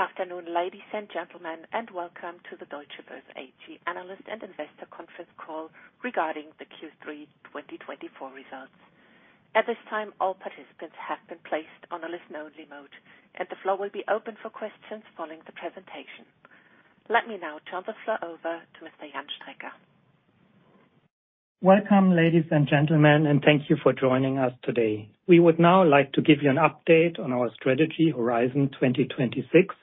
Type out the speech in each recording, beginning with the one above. Good afternoon, ladies and gentlemen, and Welcome to the Deutsche Börse AG analyst and investor conference call regarding the Q3 2024 results. At this time, all participants have been placed on a listen-only mode, and the floor will be open for questions following the presentation. Let me now turn the floor over to Mr. Jan Strecker. Welcome, ladies and gentlemen, and thank you for joining us today. We would now like to give you an update on our strategy, Horizon 2026,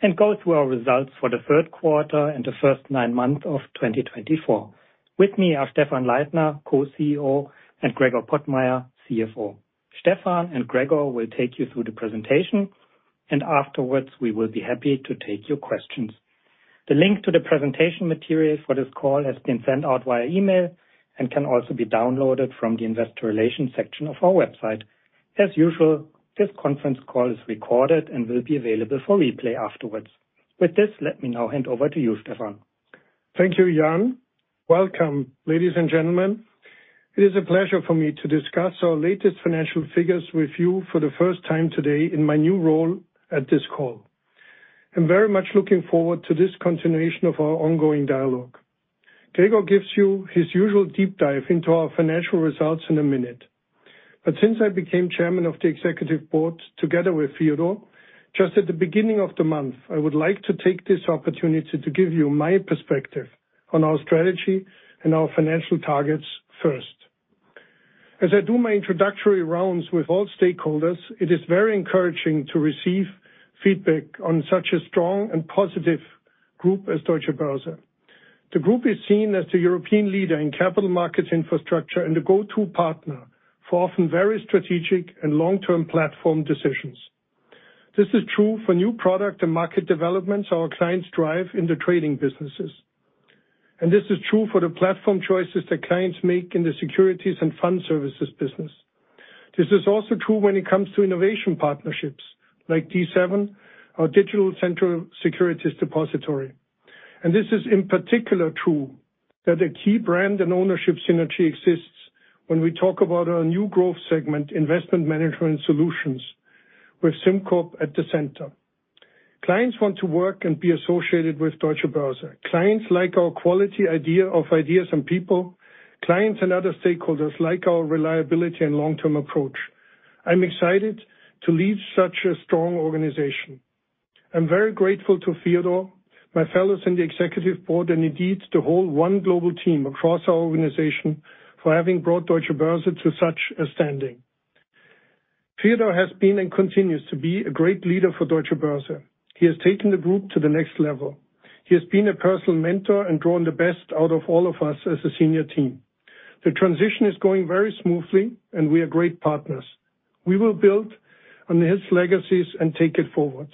and go through our results for the third quarter and the first nine months of 2024. With me are Stephan Leithner, Co-CEO, and Gregor Pottmeyer, CFO. Stephan and Gregor will take you through the presentation, and afterwards, we will be happy to take your questions. The link to the presentation materials for this call has been sent out via email and can also be downloaded from the Investor Relations section of our website. As usual, this conference call is recorded and will be available for replay afterwards. With this, let me now hand over to you, Stephan. Thank you, Jan. Welcome, ladies and gentlemen. It is a pleasure for me to discuss our latest financial figures with you for the first time today in my new role at this call. I'm very much looking forward to this continuation of our ongoing dialogue. Gregor gives you his usual deep dive into our financial results in a minute. But since I became chairman of the executive board together with Theodor, just at the beginning of the month, I would like to take this opportunity to give you my perspective on our strategy and our financial targets first. As I do my introductory rounds with all stakeholders, it is very encouraging to receive feedback on such a strong and positive group as Deutsche Börse. The group is seen as the European leader in capital market infrastructure and the go-to partner for often very strategic and long-term platform decisions. This is true for new product and market developments our clients drive in the trading businesses, and this is true for the platform choices that clients make in the securities and fund services business. This is also true when it comes to innovation partnerships like D7, our digital central securities depository. This is in particular true that a key brand and ownership synergy exists when we talk about our new growth segment, investment management solutions, with SimCorp at the center. Clients want to work and be associated with Deutsche Börse. Clients like our quality, our ideas and people. Clients and other stakeholders like our reliability and long-term approach. I'm excited to lead such a strong organization. I'm very grateful to Theodor, my fellows in the executive board, and indeed, to the whole of our global team across our organization for having brought Deutsche Börse to such a standing. Theodor has been and continues to be a great leader for Deutsche Börse. He has taken the group to the next level. He has been a personal mentor and drawn the best out of all of us as a senior team. The transition is going very smoothly, and we are great partners. We will build on his legacies and take it forward.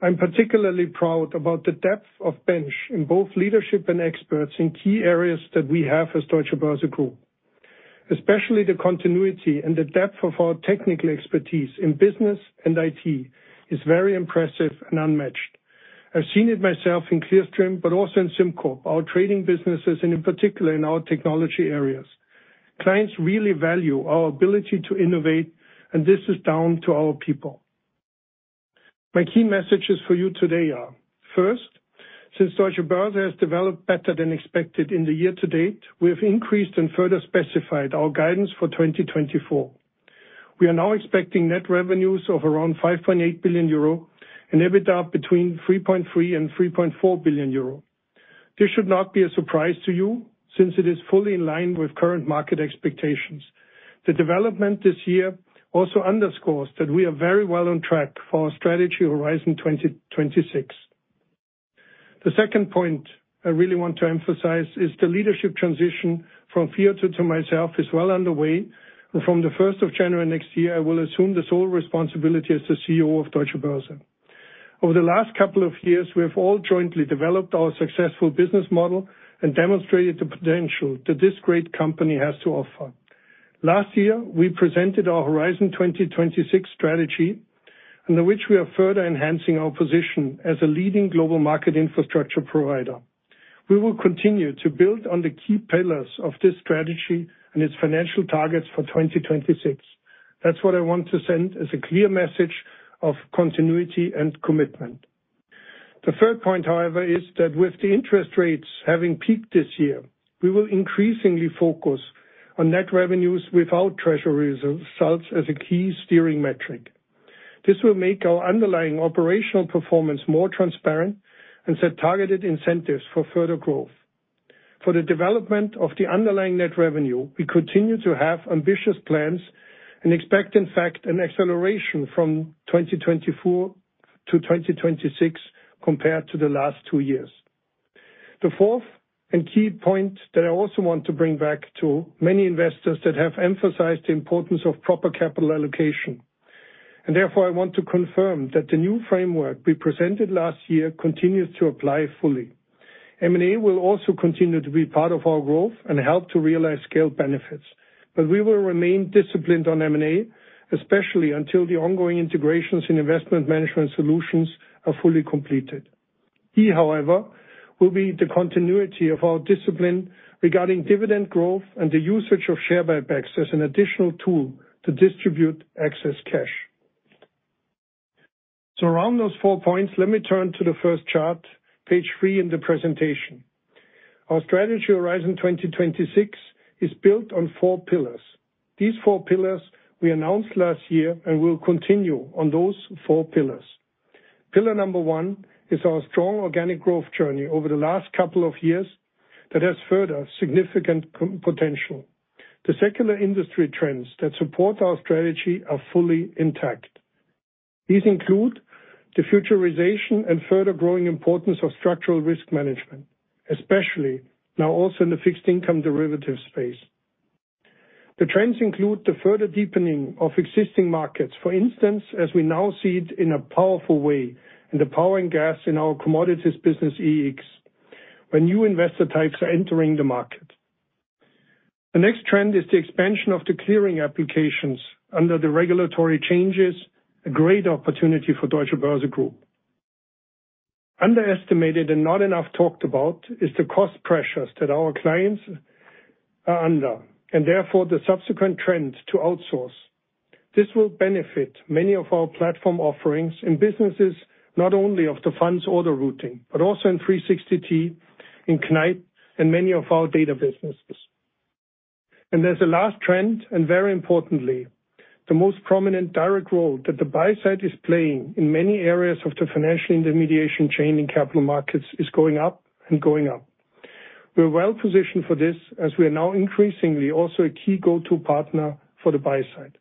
I'm particularly proud about the depth of bench in both leadership and experts in key areas that we have as Deutsche Börse Group. Especially the continuity and the depth of our technical expertise in business and IT is very impressive and unmatched. I've seen it myself in Clearstream, but also in SimCorp, our trading businesses, and in particular in our technology areas. Clients really value our ability to innovate, and this is down to our people. My key messages for you today are, first, since Deutsche Börse has developed better than expected in the year-to-date, we have increased and further specified our guidance for 2024. We are now expecting net revenues of around 5.8 billion euro and EBITDA between 3.3 billion and 3.4 billion euro. This should not be a surprise to you, since it is fully in line with current market expectations. The development this year also underscores that we are very well on track for our strategy, Horizon 2026. The second point I really want to emphasize is the leadership transition from Theodor to myself is well underway, and from the first of January next year, I will assume the sole responsibility as the CEO of Deutsche Börse. Over the last couple of years, we have all jointly developed our successful business model and demonstrated the potential that this great company has to offer. Last year, we presented our Horizon 2026 strategy, under which we are further enhancing our position as a leading global market infrastructure provider. We will continue to build on the key pillars of this strategy and its financial targets for 2026. That's what I want to send as a clear message of continuity and commitment. The third point, however, is that with the interest rates having peaked this year, we will increasingly focus on net revenues without treasury results as a key steering metric. This will make our underlying operational performance more transparent and set targeted incentives for further growth. For the development of the underlying net revenue, we continue to have ambitious plans and expect, in fact, an acceleration from 2024 to 2026 compared to the last two years. The fourth and key point that I also want to bring back to many investors that have emphasized the importance of proper capital allocation, and therefore I want to confirm that the new framework we presented last year continues to apply fully. M&A will also continue to be part of our growth and help to realize scale benefits, but we will remain disciplined on M&A, especially until the ongoing integrations and investment management solutions are fully completed. Key, however, will be the continuity of our discipline regarding dividend growth and the usage of share buybacks as an additional tool to distribute excess cash. Around those four points, let me turn to the first chart, page three in the presentation. Our strategy, Horizon 2026, is built on four pillars. These four pillars we announced last year and will continue on those four pillars. Pillar number one is our strong organic growth journey over the last couple of years that has further significant commercial potential. The secular industry trends that support our strategy are fully intact. These include the futurization and further growing importance of structural risk management, especially now also in the fixed income derivative space. The trends include the further deepening of existing markets, for instance, as we now see it in a powerful way, in the power and gas in our commodities business, EEX, where new investor types are entering the market. The next trend is the expansion of the clearing applications under the regulatory changes, a great opportunity for Deutsche Börse Group. Underestimated and not enough talked about is the cost pressures that our clients are under, and therefore, the subsequent trend to outsource. This will benefit many of our platform offerings in businesses, not only of the funds order routing, but also in 360T, in Kneip, and many of our data businesses. As a last trend, and very importantly, the most prominent direct role that the buy side is playing in many areas of the financial intermediation chain in capital markets is going up and going up. We're well positioned for this, as we are now increasingly also a key go-to partner for the buy side.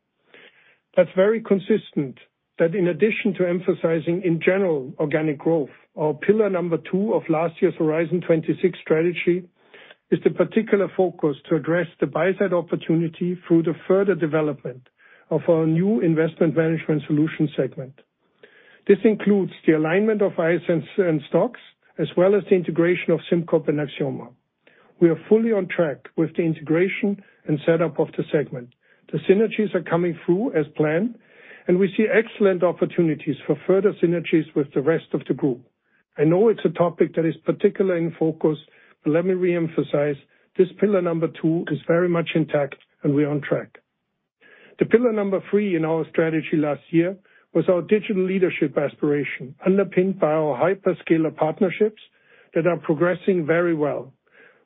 That's very consistent, that in addition to emphasizing, in general, organic growth, our pillar number two of last year's Horizon 2026 strategy is the particular focus to address the buy-side opportunity through the further development of our new investment management solution segment. This includes the alignment of ISS and STOXX, as well as the integration of SimCorp and Axioma. We are fully on track with the integration and setup of the segment. The synergies are coming through as planned, and we see excellent opportunities for further synergies with the rest of the group. I know it's a topic that is particularly in focus, but let me reemphasize, this pillar number two is very much intact, and we're on track. The pillar number three in our strategy last year was our digital leadership aspiration, underpinned by our hyperscaler partnerships that are progressing very well.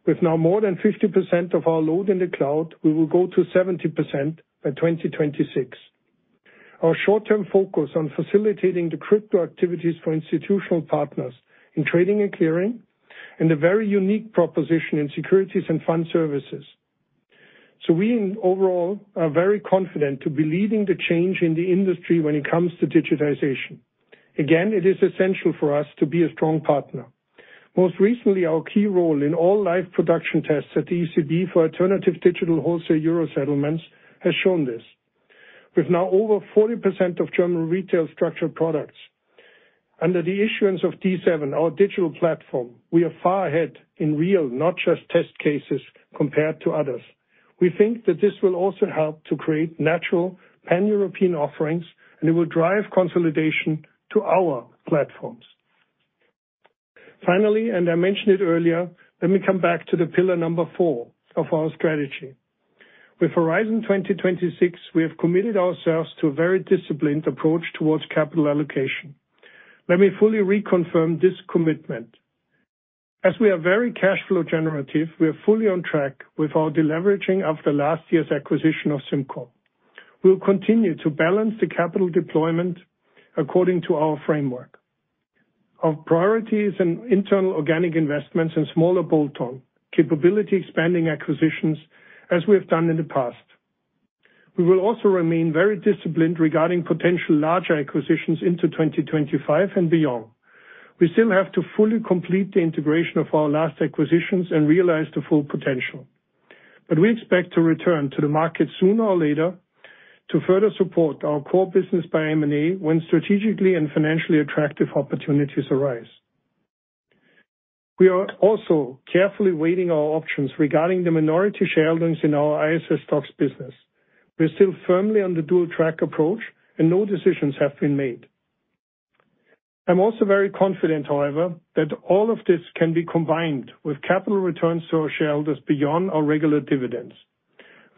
With now more than 50% of our load in the cloud, we will go to 70% by 2026. Our short-term focus on facilitating the crypto activities for institutional partners in trading and clearing, and a very unique proposition in securities and fund services. So we, overall, are very confident to be leading the change in the industry when it comes to digitization. Again, it is essential for us to be a strong partner. Most recently, our key role in all live production tests at the ECB for alternative digital wholesale euro settlements has shown this. With now over 40% of German retail structured products, under the issuance of D7, our digital platform, we are far ahead in real, not just test cases, compared to others. We think that this will also help to create natural Pan-European offerings, and it will drive consolidation to our platforms. Finally, and I mentioned it earlier, let me come back to the pillar number four of our strategy. With Horizon 2026, we have committed ourselves to a very disciplined approach towards capital allocation. Let me fully reconfirm this commitment. As we are very cash flow generative, we are fully on track with our deleveraging of the last year's acquisition of SimCorp. We'll continue to balance the capital deployment according to our framework. Our priorities and internal organic investments and smaller bolt-on capability expanding acquisitions, as we have done in the past. We will also remain very disciplined regarding potential larger acquisitions into 2025 and beyond. We still have to fully complete the integration of our last acquisitions and realize the full potential. But we expect to return to the market sooner or later to further support our core business by M&A when strategically and financially attractive opportunities arise. We are also carefully weighing our options regarding the minority shareholdings in our ISS STOXX business. We're still firmly on the dual-track approach, and no decisions have been made. I'm also very confident, however, that all of this can be combined with capital returns to our shareholders beyond our regular dividends.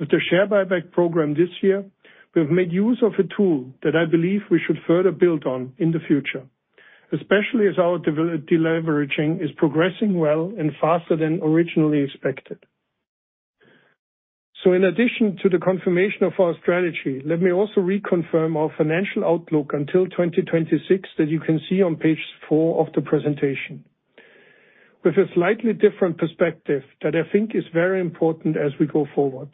With the share buyback program this year, we have made use of a tool that I believe we should further build on in the future, especially as our deleveraging is progressing well and faster than originally expected. So in addition to the confirmation of our strategy, let me also reconfirm our financial outlook until 2026, that you can see on page four of the presentation. With a slightly different perspective that I think is very important as we go forward.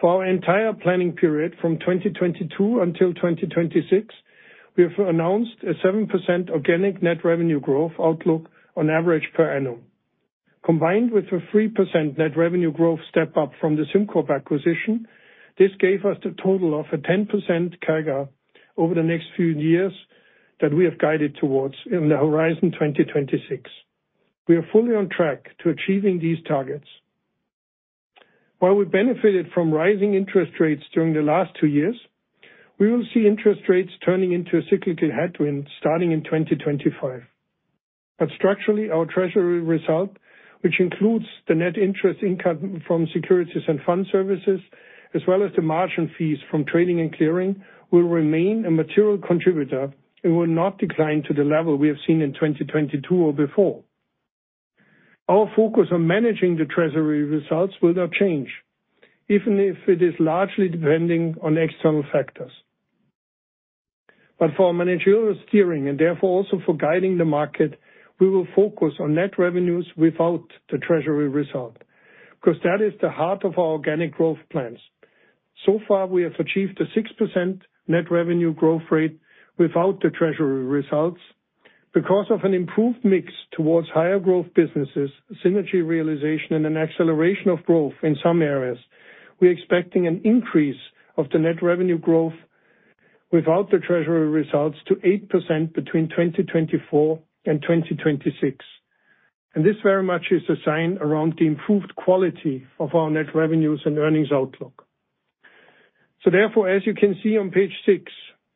For our entire planning period from 2022 until 2026, we have announced a 7% organic net revenue growth outlook on average per annum. Combined with a 3% net revenue growth step-up from the SimCorp acquisition, this gave us the total of a 10% CAGR over the next few years that we have guided towards in the Horizon 2026. We are fully on track to achieving these targets. While we benefited from rising interest rates during the last two years, we will see interest rates turning into a cyclical headwind starting in 2025. But structurally, our treasury result, which includes the net interest income from securities and fund services, as well as the margin fees from trading and clearing, will remain a material contributor and will not decline to the level we have seen in 2022 or before. Our focus on managing the treasury results will not change, even if it is largely depending on external factors. But for managerial steering, and therefore also for guiding the market, we will focus on net revenues without the treasury result, because that is the heart of our organic growth plans. So far, we have achieved a 6% net revenue growth rate without the treasury results. Because of an improved mix towards higher growth businesses, synergy realization, and an acceleration of growth in some areas, we're expecting an increase of the net revenue growth without the treasury results to 8% between 2024 and 2026. And this very much is a sign of the improved quality of our net revenues and earnings outlook. So therefore, as you can see on page six,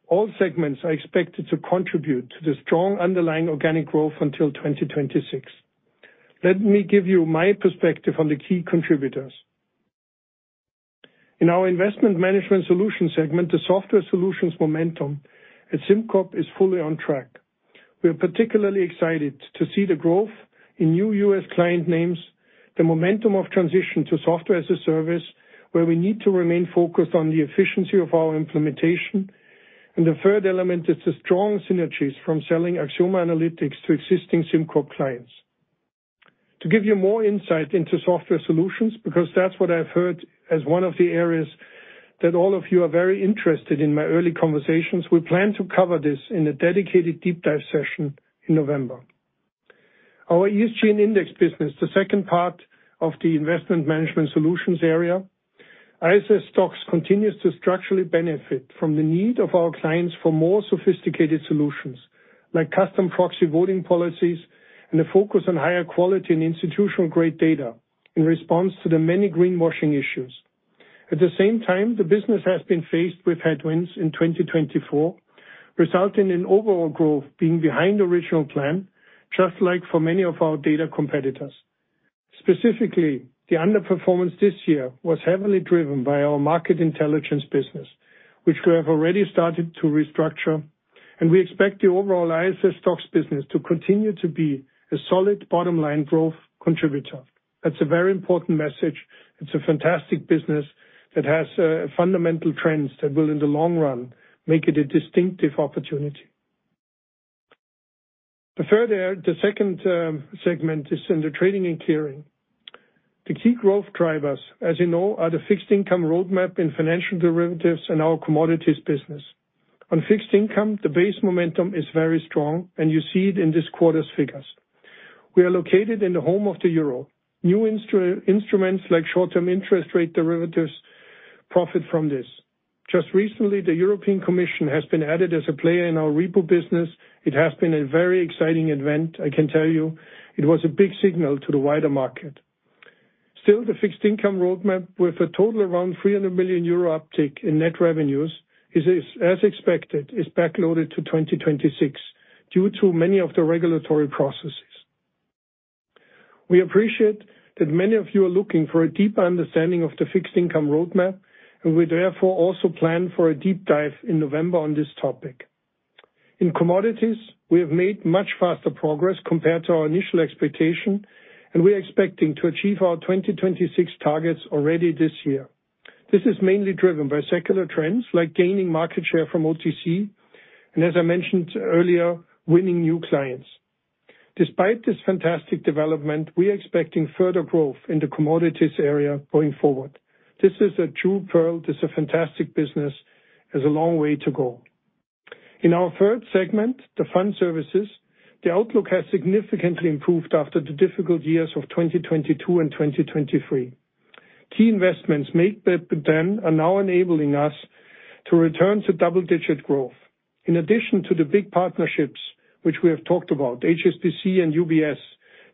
all segments are expected to contribute to the strong underlying organic growth until 2026. Let me give you my perspective on the key contributors. In our investment management solution segment, the software solutions momentum at SimCorp is fully on track. We are particularly excited to see the growth in new U.S. client names, the momentum of transition to software as a service, where we need to remain focused on the efficiency of our implementation, and the third element is the strong synergies from selling Axioma Analytics to existing SimCorp clients. To give you more insight into software solutions, because that's what I've heard as one of the areas that all of you are very interested in my early conversations, we plan to cover this in a dedicated deep dive session in November. Our ESG and index business, the second part of the investment management solutions area, ISS STOXX, continues to structurally benefit from the need of our clients for more sophisticated solutions, like custom proxy voting policies and a focus on higher quality and institutional-grade data in response to the many greenwashing issues. At the same time, the business has been faced with headwinds in 2024, resulting in overall growth being behind the original plan, just like for many of our data competitors. Specifically, the underperformance this year was heavily driven by our Market Intelligence business, which we have already started to restructure, and we expect the overall ISS STOXX business to continue to be a solid bottom-line growth contributor. That's a very important message. It's a fantastic business that has fundamental trends that will, in the long run, make it a distinctive opportunity. But further, the second segment is in the trading and clearing. The key growth drivers, as you know, are the fixed income roadmap in financial derivatives and our commodities business. On fixed income, the base momentum is very strong, and you see it in this quarter's figures. We are located in the home of the euro. New instruments like short-term interest rate derivatives profit from this. Just recently, the European Commission has been added as a player in our repo business. It has been a very exciting event, I can tell you. It was a big signal to the wider market. Still, the fixed income roadmap, with a total around 300 million euro uptick in net revenues, is as expected, is backloaded to 2026 due to many of the regulatory processes. We appreciate that many of you are looking for a deeper understanding of the fixed income roadmap, and we therefore also plan for a deep dive in November on this topic. In commodities, we have made much faster progress compared to our initial expectation, and we are expecting to achieve our 2026 targets already this year. This is mainly driven by secular trends, like gaining market share from OTC, and as I mentioned earlier, winning new clients. Despite this fantastic development, we are expecting further growth in the commodities area going forward. This is a true pearl. This is a fantastic business, has a long way to go. In our third segment, the fund services, the outlook has significantly improved after the difficult years of 2022 and 2023. Key investments made back then are now enabling us to return to double-digit growth. In addition to the big partnerships, which we have talked about, HSBC and UBS,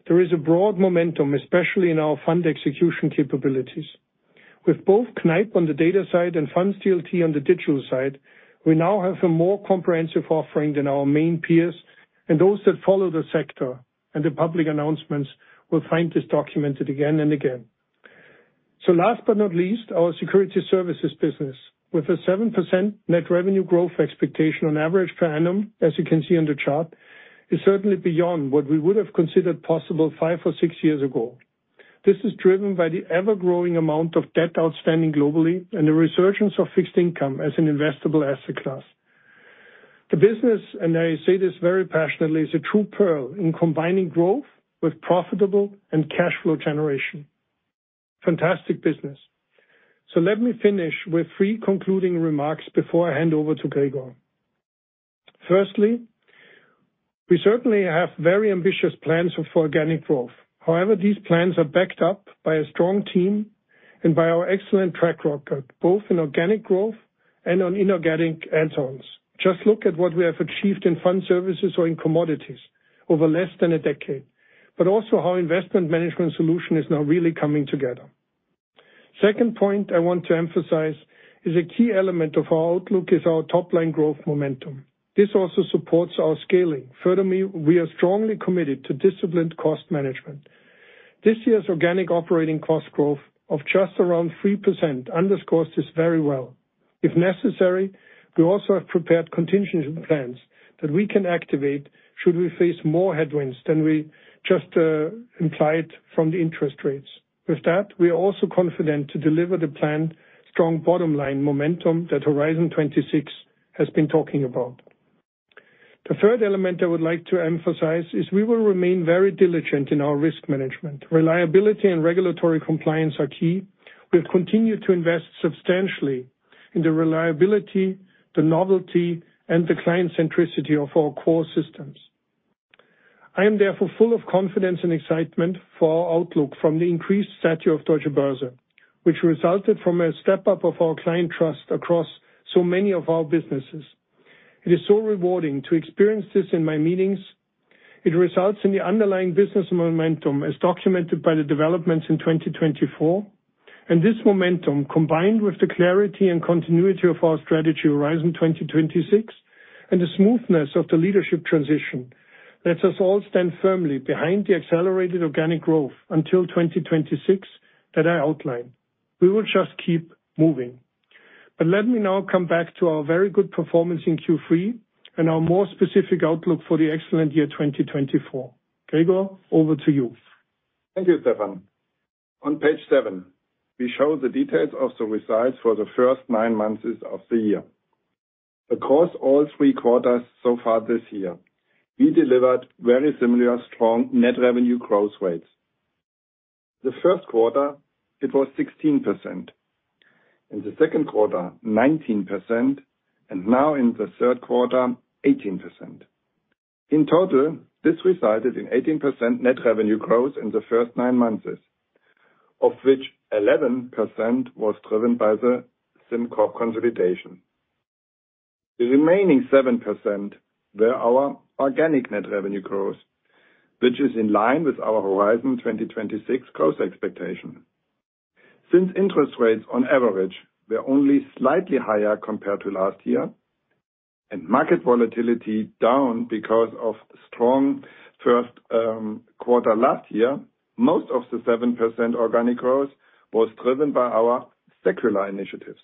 there is a broad momentum, especially in our fund execution capabilities. With both Kneip on the data side and FundsDLT on the digital side, we now have a more comprehensive offering than our main peers and those that follow the sector, and the public announcements will find this documented again and again. So last but not least, our securities services business. With a 7% net revenue growth expectation on average per annum, as you can see on the chart, is certainly beyond what we would have considered possible five or six years ago. This is driven by the ever-growing amount of debt outstanding globally and the resurgence of fixed income as an investable asset class. The business, and I say this very passionately, is a true pearl in combining growth with profitable and cash flow generation. Fantastic business. So let me finish with three concluding remarks before I hand over to Gregor. Firstly, we certainly have very ambitious plans for organic growth. However, these plans are backed up by a strong team and by our excellent track record, both in organic growth and on inorganic add-ons. Just look at what we have achieved in fund services or in commodities... over less than a decade, but also our investment management solution is now really coming together. Second point I want to emphasize is a key element of our outlook is our top line growth momentum. This also supports our scaling. Furthermore, we are strongly committed to disciplined cost management. This year's organic operating cost growth of just around 3% underscores this very well. If necessary, we also have prepared contingency plans that we can activate, should we face more headwinds than we just implied from the interest rates. With that, we are also confident to deliver the planned strong bottom line momentum that Horizon 2026 has been talking about. The third element I would like to emphasize is we will remain very diligent in our risk management. Reliability and regulatory compliance are key. We'll continue to invest substantially in the reliability, the novelty, and the client centricity of our core systems. I am therefore full of confidence and excitement for our outlook from the increased stature of Deutsche Börse, which resulted from a step-up of our client trust across so many of our businesses. It is so rewarding to experience this in my meetings. It results in the underlying business momentum, as documented by the developments in 2024. This momentum, combined with the clarity and continuity of our strategy, Horizon 2026, and the smoothness of the leadership transition, lets us all stand firmly behind the accelerated organic growth until 2026 that I outlined. We will just keep moving. Let me now come back to our very good performance in Q3 and our more specific outlook for the excellent year, 2024. Gregor, over to you. Thank you, Stephan. On page seven, we show the details of the results for the first nine months of the year. Across all three quarters so far this year, we delivered very similar strong net revenue growth rates. The first quarter, it was 16%, in the second quarter, 19%, and now in the third quarter, 18%. In total, this resulted in 18% net revenue growth in the first nine months, of which 11% was driven by the SimCorp consolidation. The remaining 7% were our organic net revenue growth, which is in line with our Horizon 2026 growth expectation. Since interest rates on average were only slightly higher compared to last year, and market volatility down because of strong first quarter last year, most of the 7% organic growth was driven by our secular initiatives.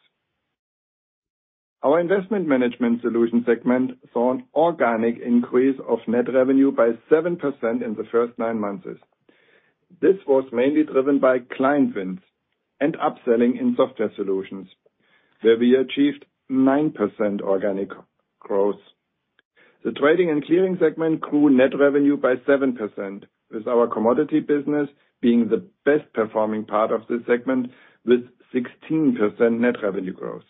Our investment management solution segment saw an organic increase of net revenue by 7% in the first nine months. This was mainly driven by client wins and upselling in software solutions, where we achieved 9% organic growth. The trading and clearing segment grew net revenue by 7%, with our commodity business being the best performing part of this segment, with 16% net revenue growth.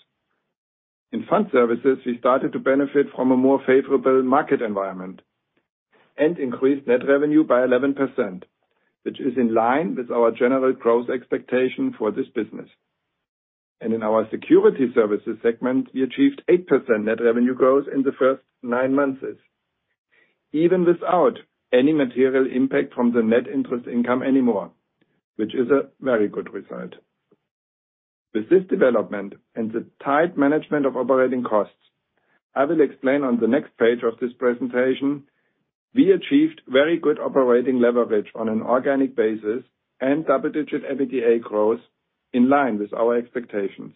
In fund services, we started to benefit from a more favorable market environment and increased net revenue by 11%, which is in line with our general growth expectation for this business, and in our security services segment, we achieved 8% net revenue growth in the first nine months, even without any material impact from the net interest income anymore, which is a very good result. With this development and the tight management of operating costs, I will explain on the next page of this presentation, we achieved very good operating leverage on an organic basis and double-digit EBITDA growth in line with our expectations.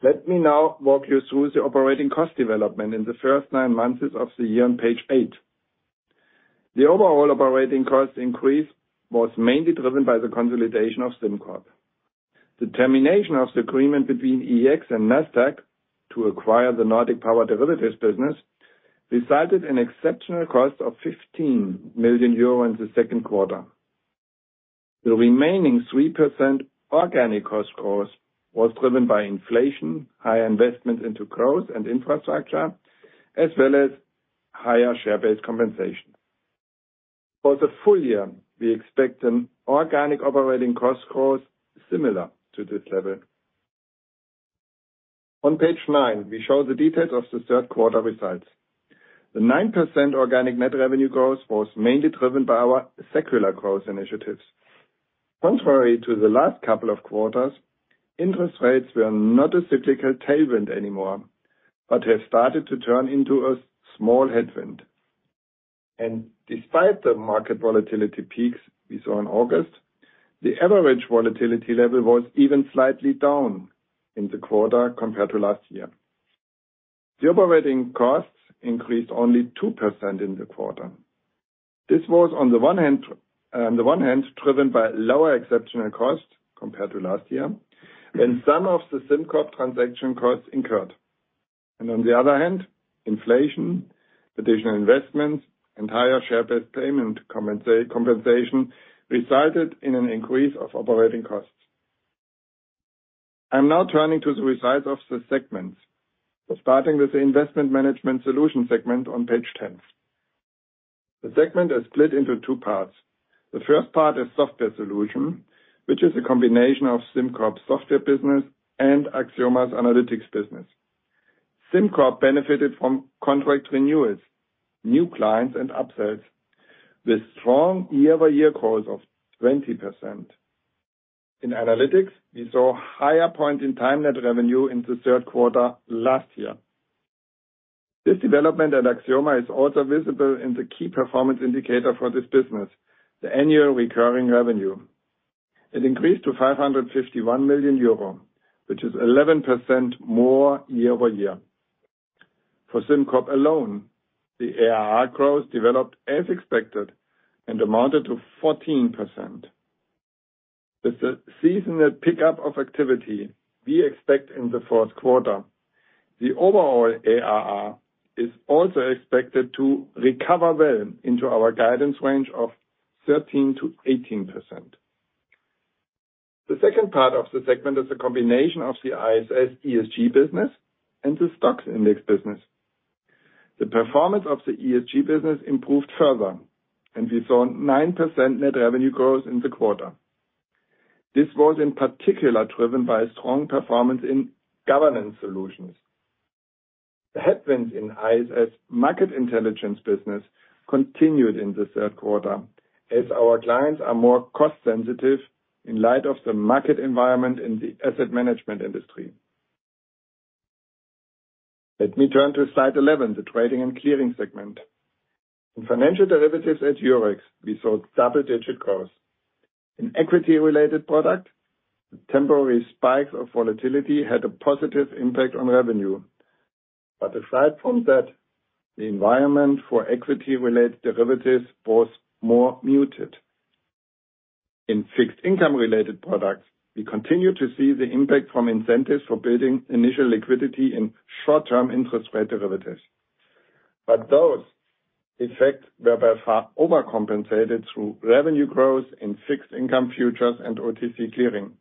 Let me now walk you through the operating cost development in the first nine months of the year on page eight. The overall operating cost increase was mainly driven by the consolidation of SimCorp. The termination of the agreement between EEX and Nasdaq to acquire the Nordic Power Derivatives business resulted in exceptional cost of 15 million euros in the second quarter. The remaining 3% organic cost growth was driven by inflation, high investment into growth and infrastructure, as well as higher share-based compensation. For the full year, we expect an organic operating cost growth similar to this level. On page nine, we show the details of the third quarter results. The 9% organic net revenue growth was mainly driven by our secular growth initiatives. Contrary to the last couple of quarters, interest rates were not a cyclical tailwind anymore, but have started to turn into a small headwind. And despite the market volatility peaks we saw in August, the average volatility level was even slightly down in the quarter compared to last year. The operating costs increased only 2% in the quarter. This was, on the one hand, driven by lower exceptional costs compared to last year, when some of the SimCorp transaction costs incurred. And on the other hand, inflation, additional investments and higher share-based payment compensation resulted in an increase of operating costs. I'm now turning to the results of the segments. We're starting with the investment management solution segment on page 10. The segment is split into two parts. The first part is software solution, which is a combination of SimCorp's software business and Axioma's analytics business. SimCorp benefited from contract renewals, new clients, and upsells, with strong year-over-year growth of 20%. In analytics, we saw higher point-in-time net revenue in the third quarter last year. This development at Axioma is also visible in the key performance indicator for this business, the annual recurring revenue. It increased to 551 million euro, which is 11% more year-over-year. For SimCorp alone, the ARR growth developed as expected and amounted to 14%. With the seasonal pickup of activity we expect in the fourth quarter, the overall ARR is also expected to recover well into our guidance range of 13%-18%. The second part of the segment is a combination of the ISS ESG business and the stock index business. The performance of the ESG business improved further, and we saw 9% net revenue growth in the quarter. This was in particular driven by strong performance Governance Solutions. the headwinds in ISS Market Intelligence business continued in the third quarter, as our clients are more cost-sensitive in light of the market environment in the asset management industry. Let me turn to slide 11, the trading and clearing segment. In financial derivatives at Eurex, we saw double-digit growth. In equity-related product, the temporary spike of volatility had a positive impact on revenue. But aside from that, the environment for equity-related derivatives was more muted. In fixed income-related products, we continue to see the impact from incentives for building initial liquidity in short-term interest rate derivatives. But those, in fact, were by far overcompensated through revenue growth in fixed income futures and OTC clearing.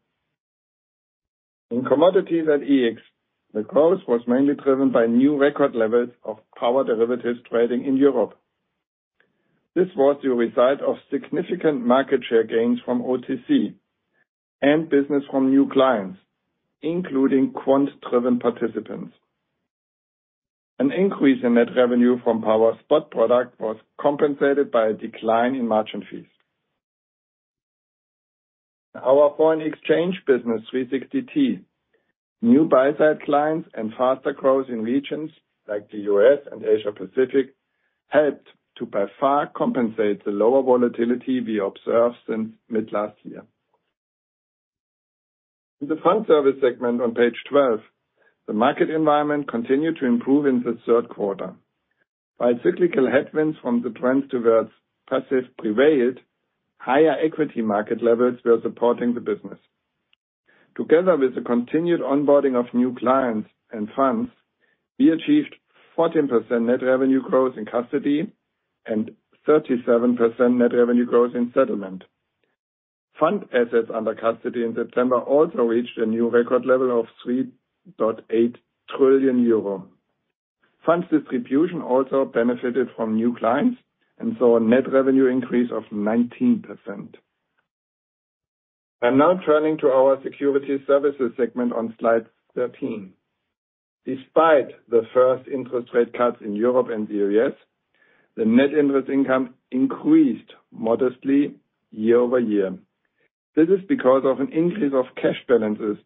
In commodities at EEX, the growth was mainly driven by new record levels of power derivatives trading in Europe. This was the result of significant market share gains from OTC and business from new clients, including quant-driven participants. An increase in net revenue from power spot product was compensated by a decline in margin fees. In our foreign exchange business, 360T, new buy-side clients and faster growth in regions like the U.S. and Asia Pacific, helped to by far compensate the lower volatility we observed since mid last year. In the fund service segment on page 12, the market environment continued to improve in the third quarter. While cyclical headwinds from the trends towards passive prevailed, higher equity market levels were supporting the business. Together with the continued onboarding of new clients and funds, we achieved 14% net revenue growth in custody and 37% net revenue growth in settlement. Fund assets under custody in September also reached a new record level of 3.8 trillion euro. Funds distribution also benefited from new clients and saw a net revenue increase of 19%. I'm now turning to our securities services segment on slide 13. Despite the first interest rate cuts in Europe and the U.S., the net interest income increased modestly year-over-year. This is because of an increase of cash balances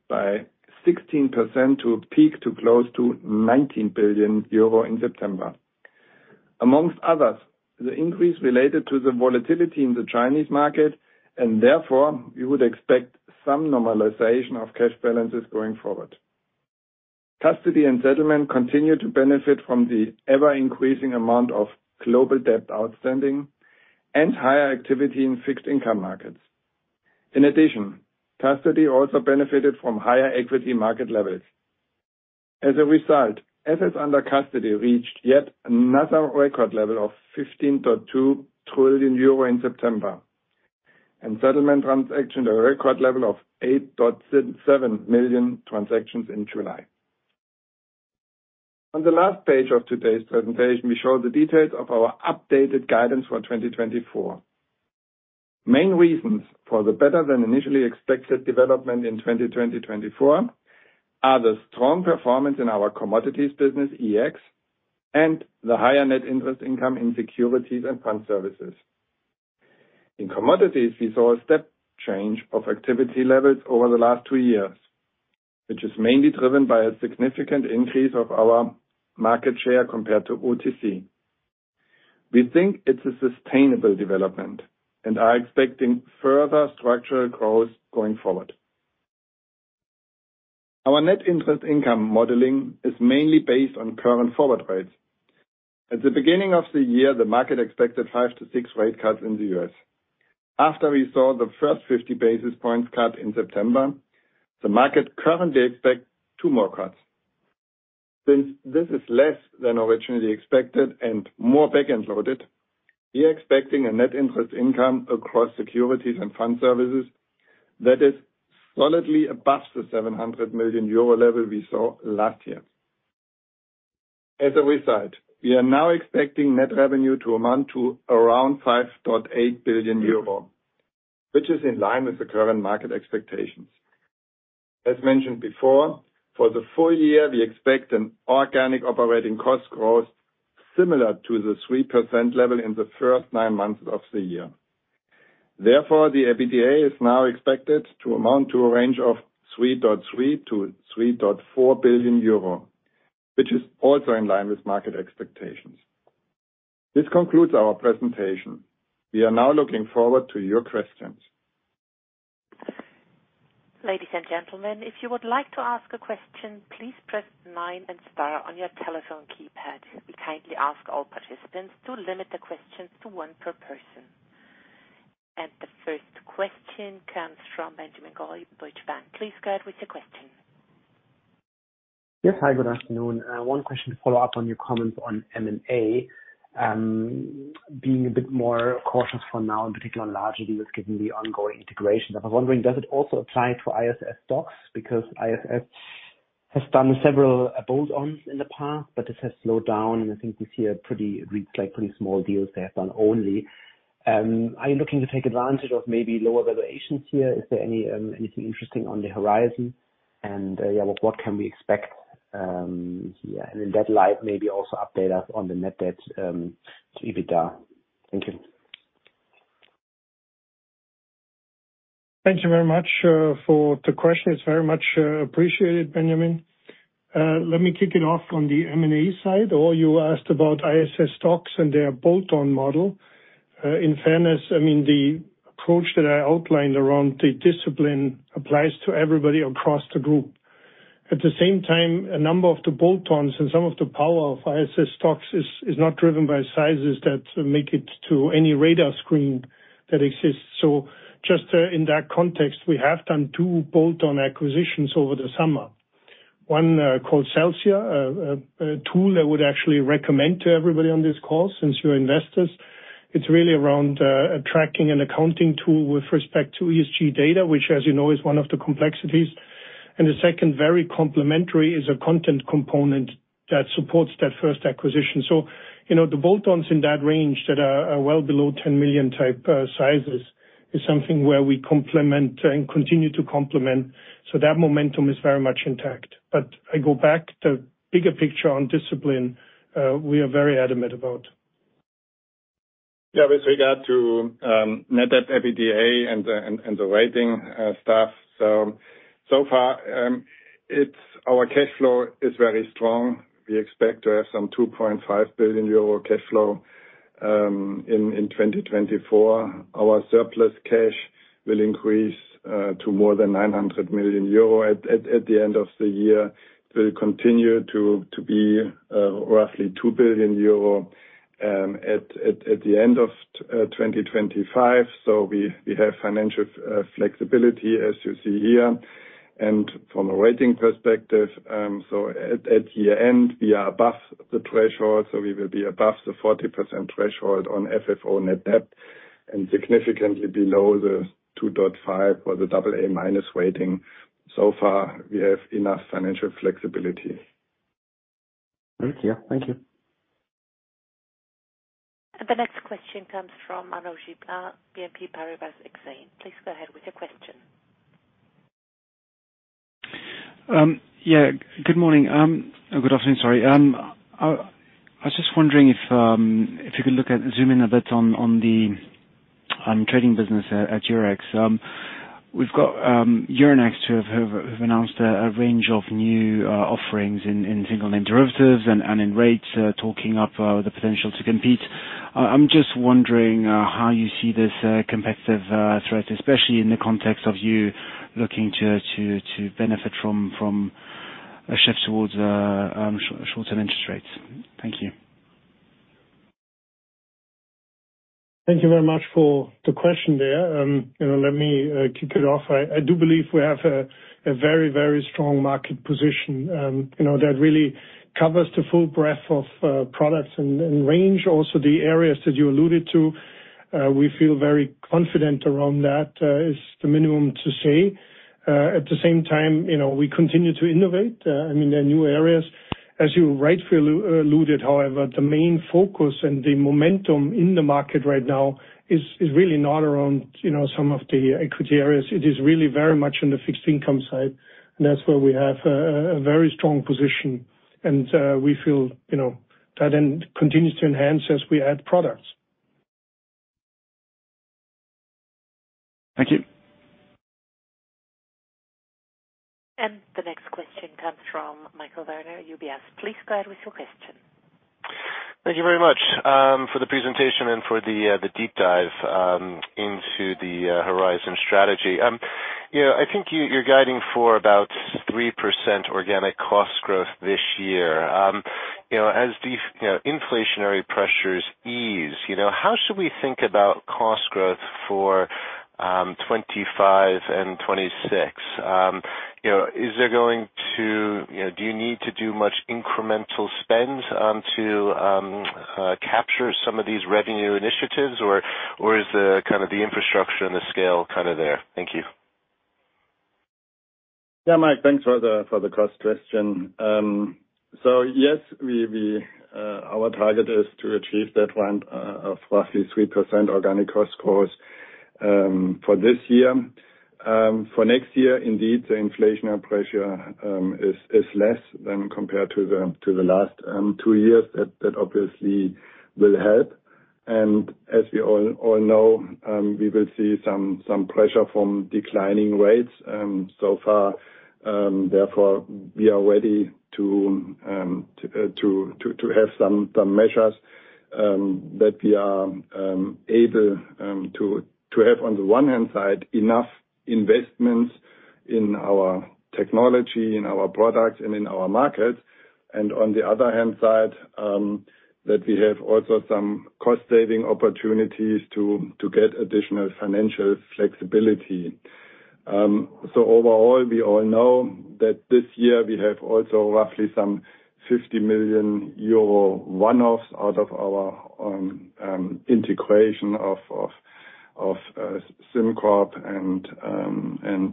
by 16% to a peak to close to 19 billion euro in September. Amongst others, the increase related to the volatility in the Chinese market, and therefore, we would expect some normalization of cash balances going forward. Custody and settlement continue to benefit from the ever-increasing amount of global debt outstanding and higher activity in fixed income markets. In addition, custody also benefited from higher equity market levels. As a result, assets under custody reached yet another record level of 15.2 trillion euro in September, and settlement transactions at a record level of 8.7 million transactions in July. On the last page of today's presentation, we show the details of our updated guidance for 2024. Main reasons for the better-than-initially expected development in 2024 are the strong performance in our commodities business, EEX, and the higher net interest income in securities and fund services. In commodities, we saw a step change of activity levels over the last two years, which is mainly driven by a significant increase of our market share compared to OTC. We think it's a sustainable development and are expecting further structural growth going forward. Our net interest income modeling is mainly based on current forward rates. At the beginning of the year, the market expected five to six rate cuts in the U.S. After we saw the first 50 basis points cut in September, the market currently expects two more cuts. Since this is less than originally expected and more back-end loaded, we are expecting a net interest income across securities and fund services that is solidly above the 700 million euro level we saw last year. As a result, we are now expecting net revenue to amount to around 5.8 billion euro, which is in line with the current market expectations. As mentioned before, for the full year, we expect an organic operating cost growth similar to the 3% level in the first nine months of the year. Therefore, the EBITDA is now expected to amount to a range of 3.3 billion-3.4 billion euro, which is also in line with market expectations. This concludes our presentation. We are now looking forward to your questions. Ladies and gentlemen, if you would like to ask a question, please press nine and star on your telephone keypad. We kindly ask all participants to limit the questions to one per person. And the first question comes from Benjamin Goy, Deutsche Bank. Please go ahead with your question. Yes. Hi, good afternoon. One question to follow up on your comments on M&A. Being a bit more cautious for now, in particular largely was given the ongoing integration. But I was wondering, does it also apply to ISS STOXX? Because ISS has done several bolt-ons in the past, but this has slowed down, and I think we see a pretty like small deals they have done only. Are you looking to take advantage of maybe lower valuations here? Is there anything interesting on the horizon? And what can we expect, and in that light, maybe also update us on the net debt to EBITDA. Thank you. Thank you very much for the question. It's very much appreciated, Benjamin. Let me kick it off on the M&A side, or you asked about ISS STOXX and their bolt-on model. In fairness, I mean, the approach that I outlined around the discipline applies to everybody across the group. At the same time, a number of the bolt-ons and some of the power of ISS STOXX is not driven by sizes that make it to any radar screen that exists. So just in that context, we have done two bolt-on acquisitions over the summer. One called Celsia, a tool I would actually recommend to everybody on this call, since you're investors. It's really around a tracking and accounting tool with respect to ESG data, which, as you know, is one of the complexities. And the second, very complementary, is a content component that supports that first acquisition. So, you know, the bolt-ons in that range that are well below ten million-type sizes, is something where we complement and continue to complement, so that momentum is very much intact. But I go back to bigger picture on discipline, we are very adamant about. Yeah, with regard to net debt, EBITDA, and the rating stuff. So far, it's our cash flow is very strong. We expect to have some 2.5 billion euro cash flow in 2024. Our surplus cash will increase to more than 900 million euro at the end of the year, will continue to be roughly 2 billion euro at the end of 2025. So we have financial flexibility, as you see here. And from a rating perspective, so at year-end, we are above the threshold, so we will be above the 40% threshold on FFO net debt and significantly below the 2.5 or the double A minus rating. So far, we have enough financial flexibility. Thank you. Thank you. The next question comes from Arnaud Giblat, BNP Paribas Exane. Please go ahead with your question. Yeah, good morning or good afternoon, sorry. I was just wondering if you could look at, zoom in a bit on the trading business at Eurex. We've got Euronext who have announced a range of new offerings in single name derivatives and in rates, talking up the potential to compete. I'm just wondering how you see this competitive threat, especially in the context of you looking to benefit from a shift towards short-term interest rates. Thank you. Thank you very much for the question there. You know, let me kick it off. I do believe we have a very, very strong market position, you know, that really covers the full breadth of products and range. Also, the areas that you alluded to, we feel very confident around that, is the minimum to say. At the same time, you know, we continue to innovate. I mean, there are new areas. As you rightfully alluded, however, the main focus and the momentum in the market right now is really not around, you know, some of the equity areas. It is really very much on the fixed income side, and that's where we have a very strong position, and we feel, you know, that then continues to enhance as we add products. Thank you. The next question comes from Michael Werner, UBS. Please go ahead with your question. Thank you very much for the presentation and for the deep dive into the Horizon strategy. You know, I think you're guiding for about 3% organic cost growth this year. You know, as the inflationary pressures ease, you know, how should we think about cost growth for 2025 and 2026? You know, is there going to You know, do you need to do much incremental spend to capture some of these revenue initiatives, or is the infrastructure and the scale kind of there? Thank you. Yeah, Mike, thanks for the cost question. So yes, our target is to achieve that 1% of roughly 3% organic cost growth for this year. For next year, indeed, the inflationary pressure is less than compared to the last two years. That obviously will help. And as we all know, we will see some pressure from declining rates. So far, therefore, we are ready to have some measures that we are able to have on the one-hand side, enough investments in our technology, in our products, and in our markets. And on the other hand side, that we have also some cost-saving opportunities to get additional financial flexibility. Overall, we all know that this year we have also roughly some 50 million euro one-offs out of our integration of SimCorp and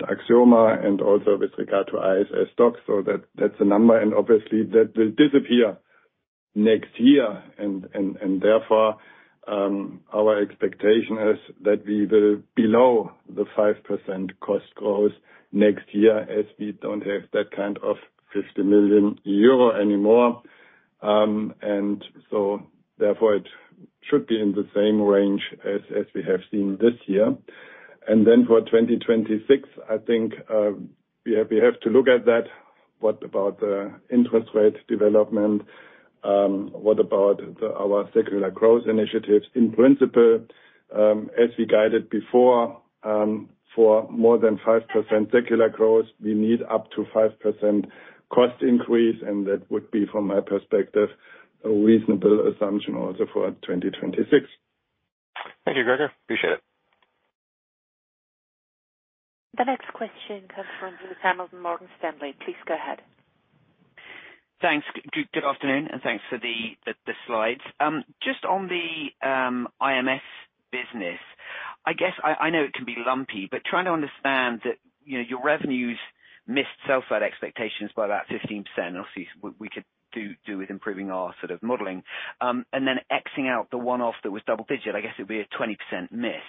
Axioma, and also with regard to ISS STOXX. So that's a number, and obviously, that will disappear next year. And therefore, our expectation is that we will below the 5% cost growth next year, as we don't have that kind of 50 million euro anymore. And so therefore it should be in the same range as we have seen this year. And then for 2026, I think we have to look at that. What about the interest rate development? What about our secular growth initiatives? In principle, as we guided before, for more than 5% secular growth, we need up to 5% cost increase, and that would be, from my perspective, a reasonable assumption also for 2026. Thank you, Gregor. Appreciate it. The next question comes from Bruce Hamilton, Morgan Stanley. Please go ahead. Thanks. Good afternoon, and thanks for the slides. Just on the IMS business, I guess I know it can be lumpy, but trying to understand that, you know, your revenues missed sell side expectations by about 15%. Obviously, we could do with improving our sort of modeling. And then X-ing out the one-off that was double digit, I guess it would be a 20% miss.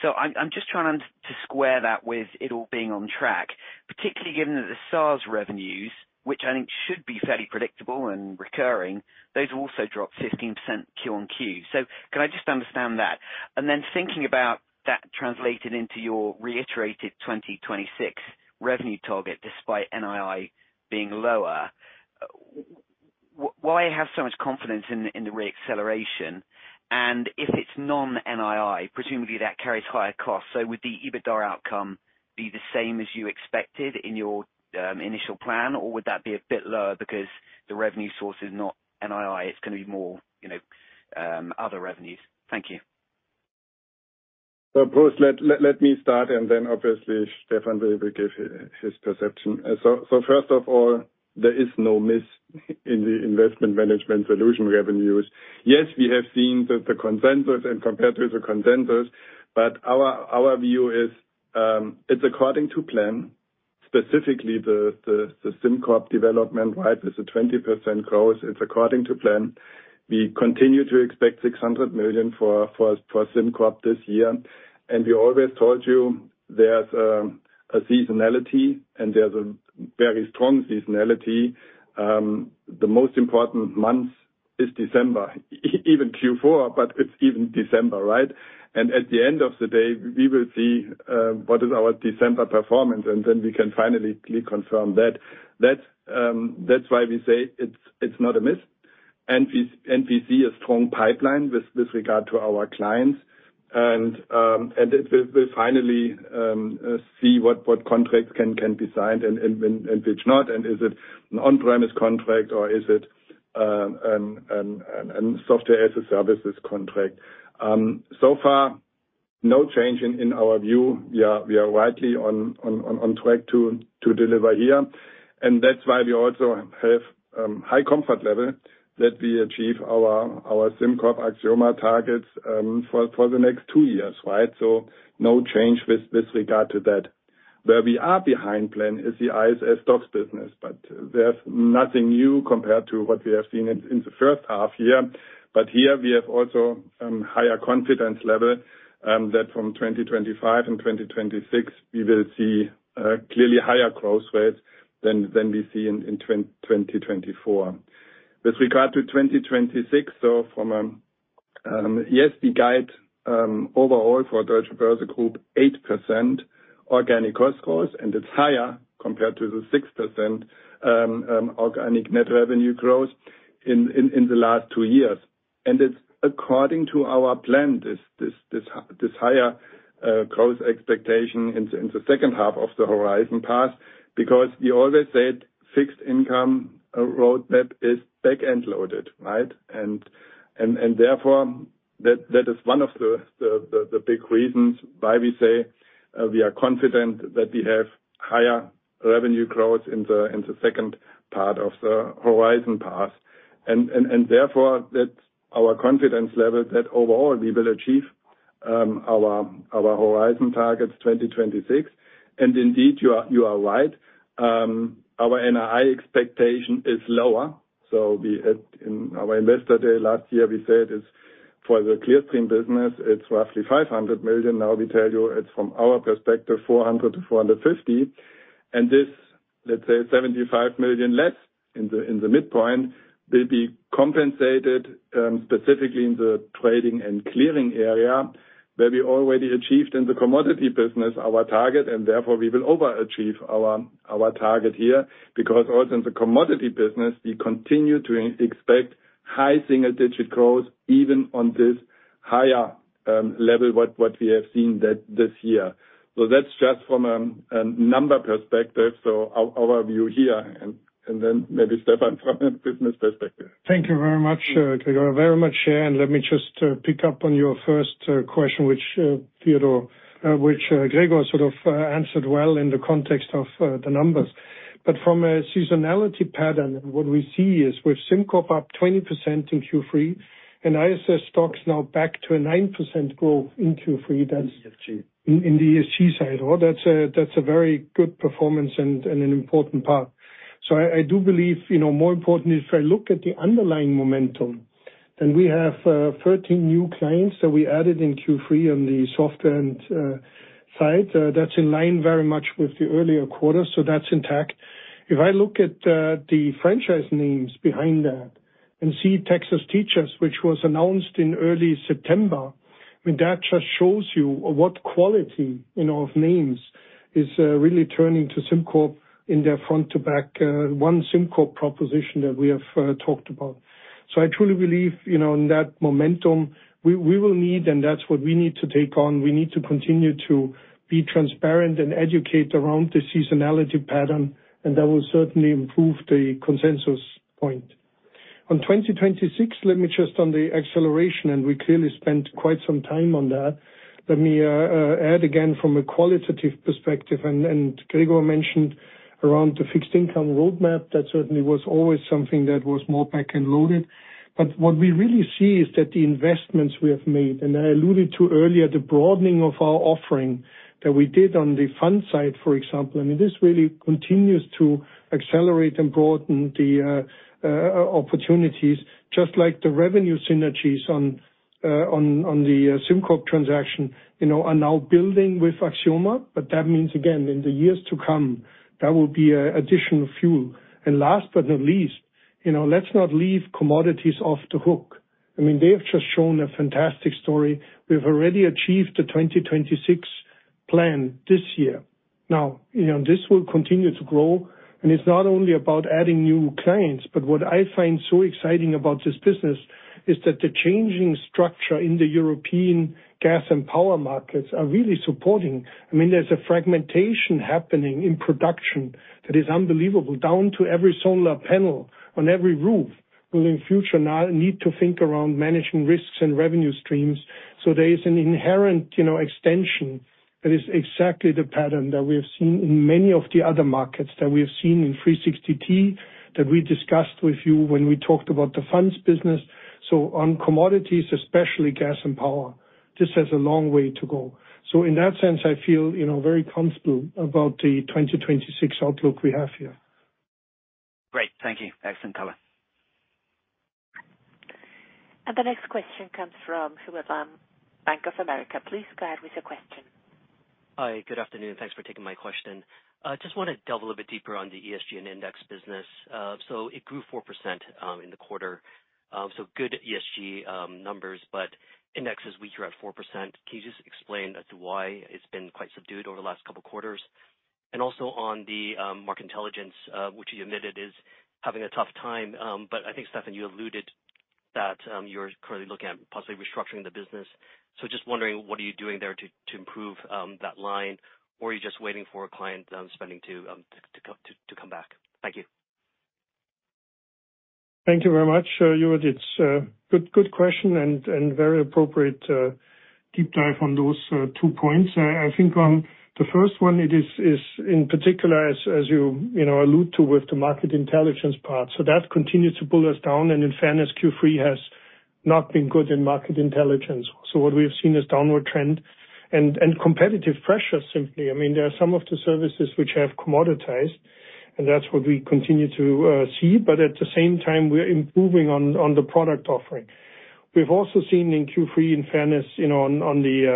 So I'm just trying to square that with it all being on track, particularly given that the SaaS revenues, which I think should be fairly predictable and recurring, those also dropped 15% Q on Q. So can I just understand that? And then thinking about that translated into your reiterated 2026 revenue target, despite NII being lower, why have so much confidence in the reacceleration? And if it's non-NII, presumably that carries higher costs, so would the EBITDA outcome be the same as you expected in your initial plan, or would that be a bit lower because the revenue source is not NII, it's gonna be more, you know, other revenues? Thank you. So Bruce, let me start, and then obviously Stephan will give his perception. So first of all, there is no miss in the investment management solution revenues. Yes, we have seen that the consensus and compared with the consensus, but our view is, it's according to plan, specifically the SimCorp development, right, is a 20% growth. It's according to plan. We continue to expect 600 million for SimCorp this year. And we always told you there's a seasonality and there's a very strong seasonality. The most important month is December, even Q4, but it's even December, right? And at the end of the day, we will see what is our December performance, and then we can finally confirm that. That's why we say it's not a miss. We see a strong pipeline with regard to our clients. And it, we finally see what contracts can be signed and when, and which not, and is it an on-premise contract, or is it a software-as-a-service contract? So far, no change in our view. We are rightly on track to deliver here. And that's why we also have high comfort level that we achieve our SimCorp Axioma targets for the next two years, right? So no change with this regard to that. Where we are behind plan is the ISS STOXX business, but there's nothing new compared to what we have seen in the first half year. But here we have also higher confidence level that from 2025 and 2026 we will see clearly higher growth rates than we see in 2024. With regard to 2026, so from yes, we guide overall for Deutsche Börse Group 8% organic cost growth, and it's higher compared to the 6% organic net revenue growth in the last two years. And it's according to our plan, this higher growth expectation in the second half of the horizon path, because we always said fixed income roadmap is back and loaded, right? And therefore, that is one of the big reasons why we say we are confident that we have higher-... Revenue growth in the second part of the horizon path. Therefore our confidence level that overall we will achieve our horizon targets 2026. Indeed, you are right, our NII expectation is lower, so in our investor day last year, we said is for the Clearstream business, it's roughly 500 million. Now we tell you it's from our perspective, 400 million-450 million, and this, let's say 75 million less in the midpoint, will be compensated, specifically in the trading and clearing area, where we already achieved in the commodity business our target, and therefore we will overachieve our target here. Because also in the commodity business, we continue to expect high single-digit growth, even on this higher level what we have seen that this year. So that's just from a number perspective, so our view here, and then maybe Stephan from a business perspective. Thank you very much, Gregor, very much. And let me just pick up on your first question, which Theodor, which Gregor sort of answered well in the context of the numbers. But from a seasonality pattern, what we see is with SimCorp up 20% in Q3, and ISS stocks now back to a 9% growth in Q3, that's- In ESG. In the ESG side. Well, that's a very good performance and an important part. So I do believe, you know, more importantly, if I look at the underlying momentum, then we have 13 new clients that we added in Q3 on the software side. That's in line very much with the earlier quarter, so that's intact. If I look at the franchise names behind that and see Texas Teachers, which was announced in early September, I mean, that just shows you what quality of names is really turning to SimCorp in their front to back one SimCorp proposition that we have talked about. So I truly believe, you know, in that momentum, we will need, and that's what we need to take on. We need to continue to be transparent and educate around the seasonality pattern, and that will certainly improve the consensus point. On 2026, let me just on the acceleration, and we clearly spent quite some time on that. Let me add again from a qualitative perspective, and Gregor mentioned around the fixed income roadmap, that certainly was always something that was more back-end loaded. But what we really see is that the investments we have made, and I alluded to earlier, the broadening of our offering that we did on the fund side, for example, I mean, this really continues to accelerate and broaden the opportunities, just like the revenue synergies on the SimCorp transaction, you know, are now building with Axioma. But that means, again, in the years to come, that will be an additional fuel. Last but not least, you know, let's not leave commodities off the hook. I mean, they have just shown a fantastic story. We've already achieved the twenty twenty-six plan this year. Now, you know, this will continue to grow, and it's not only about adding new clients, but what I find so exciting about this business is that the changing structure in the European gas and power markets are really supporting. I mean, there's a fragmentation happening in production that is unbelievable, down to every solar panel on every roof, will in future now need to think around managing risks and revenue streams. So there is an inherent, you know, extension that is exactly the pattern that we have seen in many of the other markets, that we have seen in 360T, that we discussed with you when we talked about the funds business. On commodities, especially gas and power, this has a long way to go. In that sense, I feel, you know, very comfortable about the 2026 outlook we have here. Great. Thank you. Excellent color. And the next question comes from Hubert Lam, Bank of America. Please go ahead with your question. Hi, good afternoon. Thanks for taking my question. Just want to delve a little bit deeper on the ESG and index business. So it grew 4% in the quarter. So good ESG numbers, but index is weaker at 4%. Can you just explain as to why it's been quite subdued over the last couple of quarters? Also on the Market Intelligence, which you admitted is having a tough time, but I think, Stephan, you alluded that you're currently looking at possibly restructuring the business. Just wondering, what are you doing there to improve that line? Or are you just waiting for a client spending to come back? Thank you. Thank you very much, Hubert. It's a good, good question and very appropriate deep dive on those two points. I think on the first one, it is in particular, as you know, allude to, with the Market Intelligence part. So that continues to pull us down, and in fairness, Q3 has not been good in Market Intelligence. So what we have seen is downward trend and competitive pressures, simply. I mean, there are some of the services which have commoditized, and that's what we continue to see, but at the same time, we're improving on the product offering. We've also seen in Q3, in fairness, you know, on the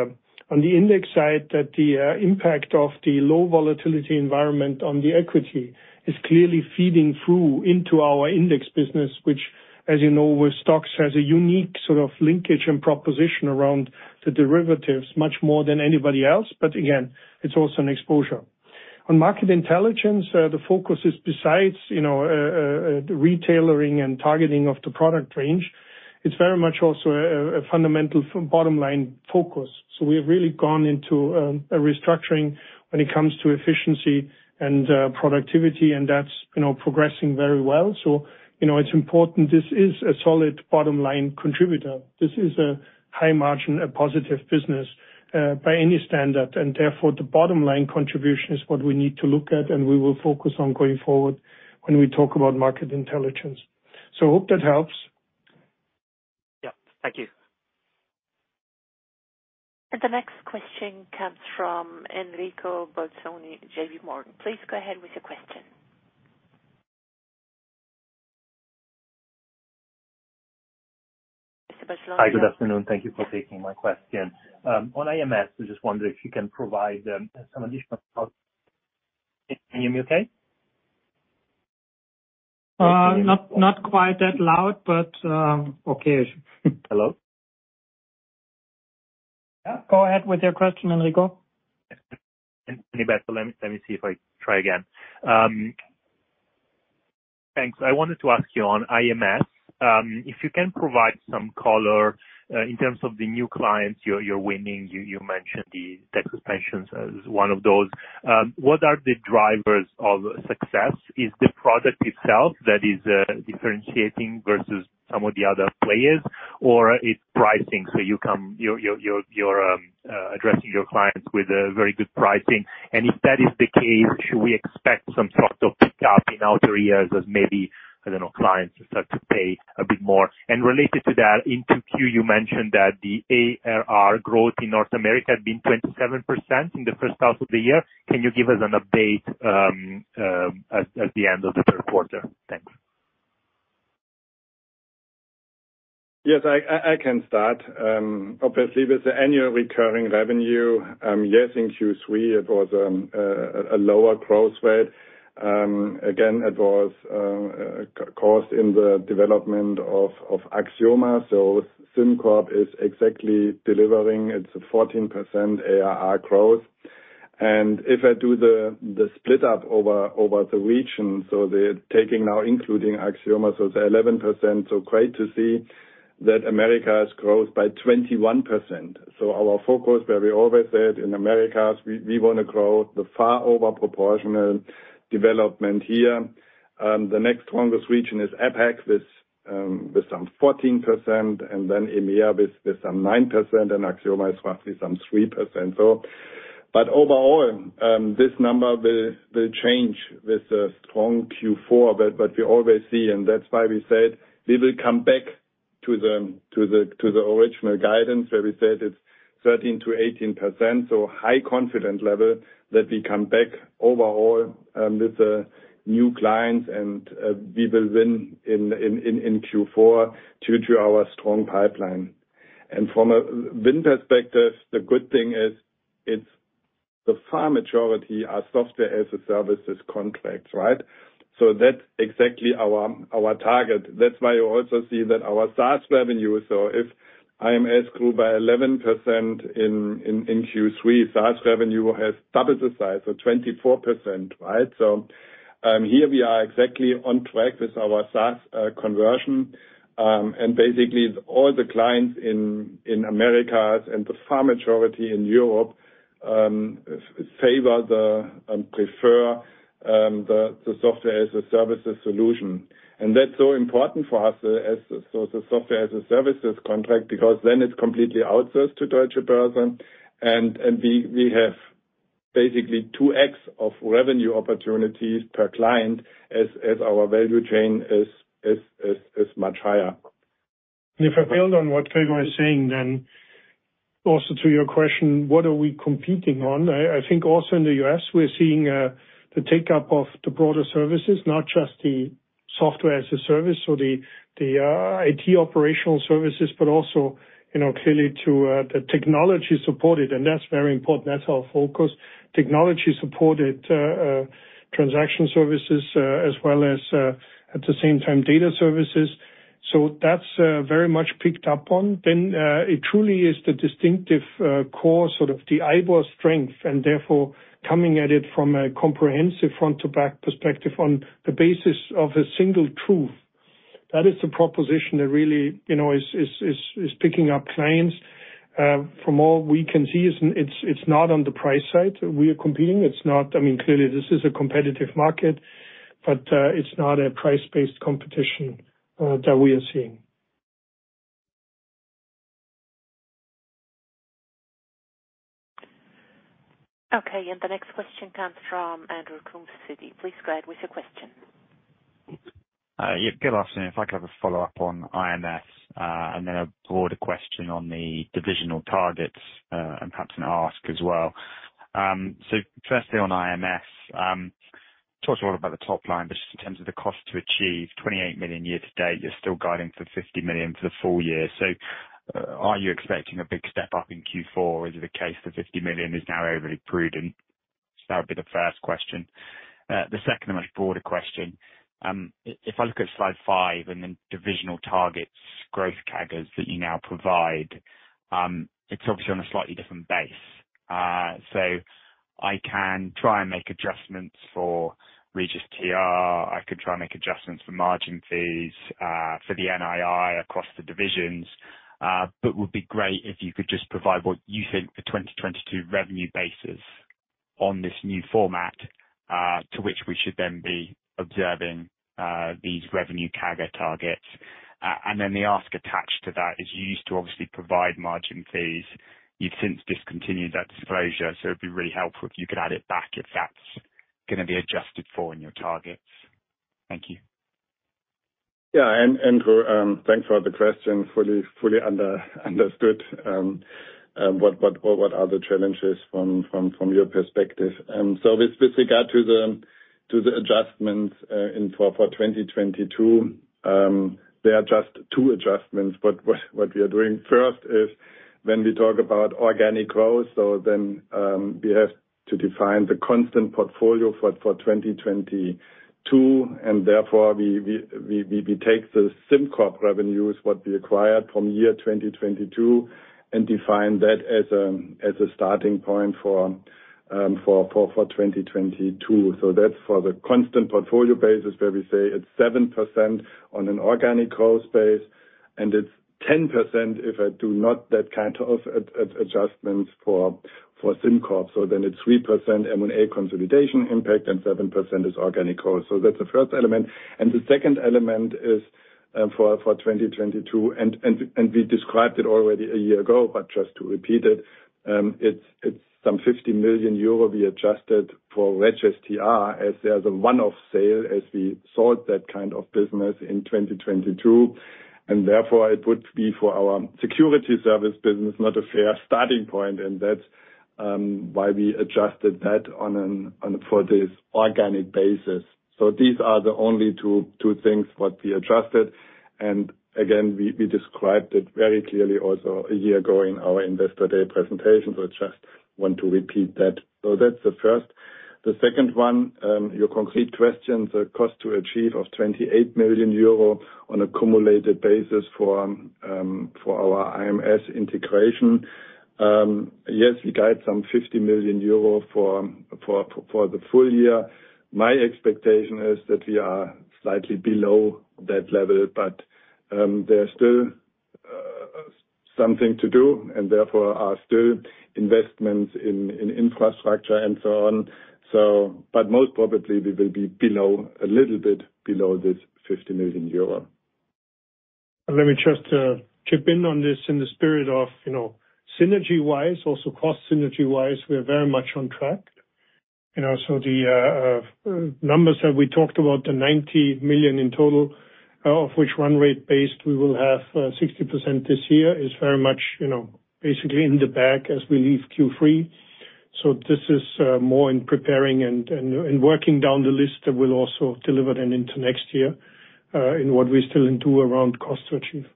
index side, that the impact of the low volatility environment on the equity is clearly feeding through into our index business, which, as you know, with STOXX, has a unique sort of linkage and proposition around the derivatives, much more than anybody else. But again, it's also an exposure. On Market Intelligence, the focus is besides, you know, the retailoring and targeting of the product range, it's very much also a fundamental bottom-line focus. So we've really gone into a restructuring when it comes to efficiency and productivity, and that's, you know, progressing very well. So, you know, it's important. This is a solid bottom-line contributor. This is a high margin, a positive business. By any standard, and therefore, the bottom line contribution is what we need to look at, and we will focus on going forward when we talk about Market Intelligence. So hope that helps. Yeah. Thank you. And the next question comes from Enrico Bolzoni, JPMorgan. Please go ahead with your question. Mr. Bolzoni? Hi, good afternoon. Thank you for taking my question. On IMS, I just wonder if you can provide some additional thought. Can you hear me okay? Not quite that loud, but okay. Hello? Yeah, go ahead with your question, Enrico. Yes. Any better? Let me see if I try again. Thanks. I wanted to ask you on ISS, if you can provide some color in terms of the new clients you're winning. You mentioned the Texas Pensions as one of those. What are the drivers of success? Is the product itself that is differentiating versus some of the other players, or it's pricing, so you're addressing your clients with very good pricing? And if that is the case, should we expect some sort of pick-up in other areas as maybe, I don't know, clients start to pay a bit more? And related to that, in Q2, you mentioned that the ARR growth in North America had been 27% in the first half of the year. Can you give us an update at the end of the third quarter? Thanks. Yes, I can start. Obviously, with the annual recurring revenue, yes, in Q3, it was a lower growth rate. Again, it was caused in the development of Axioma. So SimCorp is exactly delivering its 14% ARR growth. And if I do the split up over the region, so they're taking now, including Axioma, so it's 11%. So great to see that America has grown by 21%. So our focus, where we always said in Americas, we want to grow the far over proportional development here. The next strongest region is APAC, with some 14%, and then EMEA with some 9%, and Axioma is roughly some 3%. So but overall, this number will change with a strong Q4. We always see, and that's why we said we will come back to the original guidance, where we said it's 13%-18%. So high confidence level that we come back overall with new clients and we will win in Q4 due to our strong pipeline. And from a win perspective, the good thing is, it's the far majority are software as a service contracts, right? So that's exactly our target. That's why you also see that our SaaS revenue, so if IMS grew by 11% in Q3, SaaS revenue has doubled the size of 24%, right? So here we are exactly on track with our SaaS conversion. And basically all the clients in Americas and the far majority in Europe prefer the software as a service solution. And that's so important for us, so the software as a service contract, because then it's completely outsourced to Deutsche Börse. And we have basically 2x of revenue opportunities per client as our value chain is much higher. And if I build on what Gregor is saying, then also to your question, what are we competing on? I think also in the U.S., we're seeing the take-up of the broader services, not just the software as a service, so the IT operational services, but also, you know, clearly to the technology supported. And that's very important. That's our focus. Technology supported transaction services, as well as at the same time, data services. So that's very much picked up on. Then it truly is the distinctive core, sort of the IBOR strength, and therefore, coming at it from a comprehensive front-to-back perspective on the basis of a single truth. That is the proposition that really, you know, is picking up clients. From all we can see, it's not on the price side we are competing. It's not... I mean, clearly this is a competitive market, but it's not a price-based competition that we are seeing. Okay, and the next question comes from Andrew Coombs, Citi. Please go ahead with your question. Yeah, good afternoon. If I could have a follow-up on IMS, and then a broader question on the divisional targets, and perhaps an ask as well. So firstly on IMS, talked a lot about the top line, but just in terms of the cost to achieve 28 million year-to-date, you're still guiding for 50 million for the full year. So are you expecting a big step up in Q4, or is it the case the 50 million is now overly prudent? So that would be the first question. The second and much broader question, if I look at slide five and the divisional targets growth CAGRs that you now provide, it's obviously on a slightly different base. So I can try and make adjustments for REGIS-TR. I could try and make adjustments for margin fees, for the NII across the divisions, but would be great if you could just provide what you think the 2022 revenue base is on this new format, to which we should then be observing these revenue CAGR targets. And then the ask attached to that is you used to obviously provide margin fees. You've since discontinued that disclosure, so it'd be really helpful if you could add it back, if that's gonna be adjusted for in your targets. Thank you. Yeah, and thanks for the question, fully understood, what are the challenges from your perspective. So with regard to the adjustments in for 2022, there are just two adjustments, but what we are doing first is, when we talk about organic growth, then we have to define the constant portfolio for 2022, and therefore, we take the SimCorp revenues, what we acquired from year 2022, and define that as a starting point for 2022. So that's for the constant portfolio basis, where we say it's 7% on an organic growth base, and it's 10% if I do not that kind of adjustments for SimCorp. So then it's 3% M&A consolidation impact, and 7% is organic growth. So that's the first element. And the second element is, for 2022, and we described it already a year ago, but just to repeat it, it's some 50 million euro we adjusted for REGIS-TR, as there's a one-off sale, as we sold that kind of business in 2022, and therefore, it would be for our security service business, not a fair starting point, and that's why we adjusted that on, for this organic basis. So these are the only two things what we adjusted. And again, we described it very clearly also, a year ago, in our Investor Day presentation. So I just want to repeat that. So that's the first. The second one, your concrete question, the cost to achieve of 28 million euro on a cumulative basis for our IMS integration. Yes, we guide some 50 million euro for the full year. My expectation is that we are slightly below that level, but there are still something to do, and therefore, are still investments in infrastructure and so on. But most probably, we will be below, a little bit below this 50 million euro. Let me just chip in on this, in the spirit of, you know, synergy-wise, also cost synergy-wise. We're very much on track. You know, so the numbers that we talked about, the 90 million in total, of which run rate based, we will have 60% this year, is very much, you know, basically in the bag as we leave Q3. So this is more in preparing and working down the list that we'll also deliver then into next year, in what we still do around cost to achieve.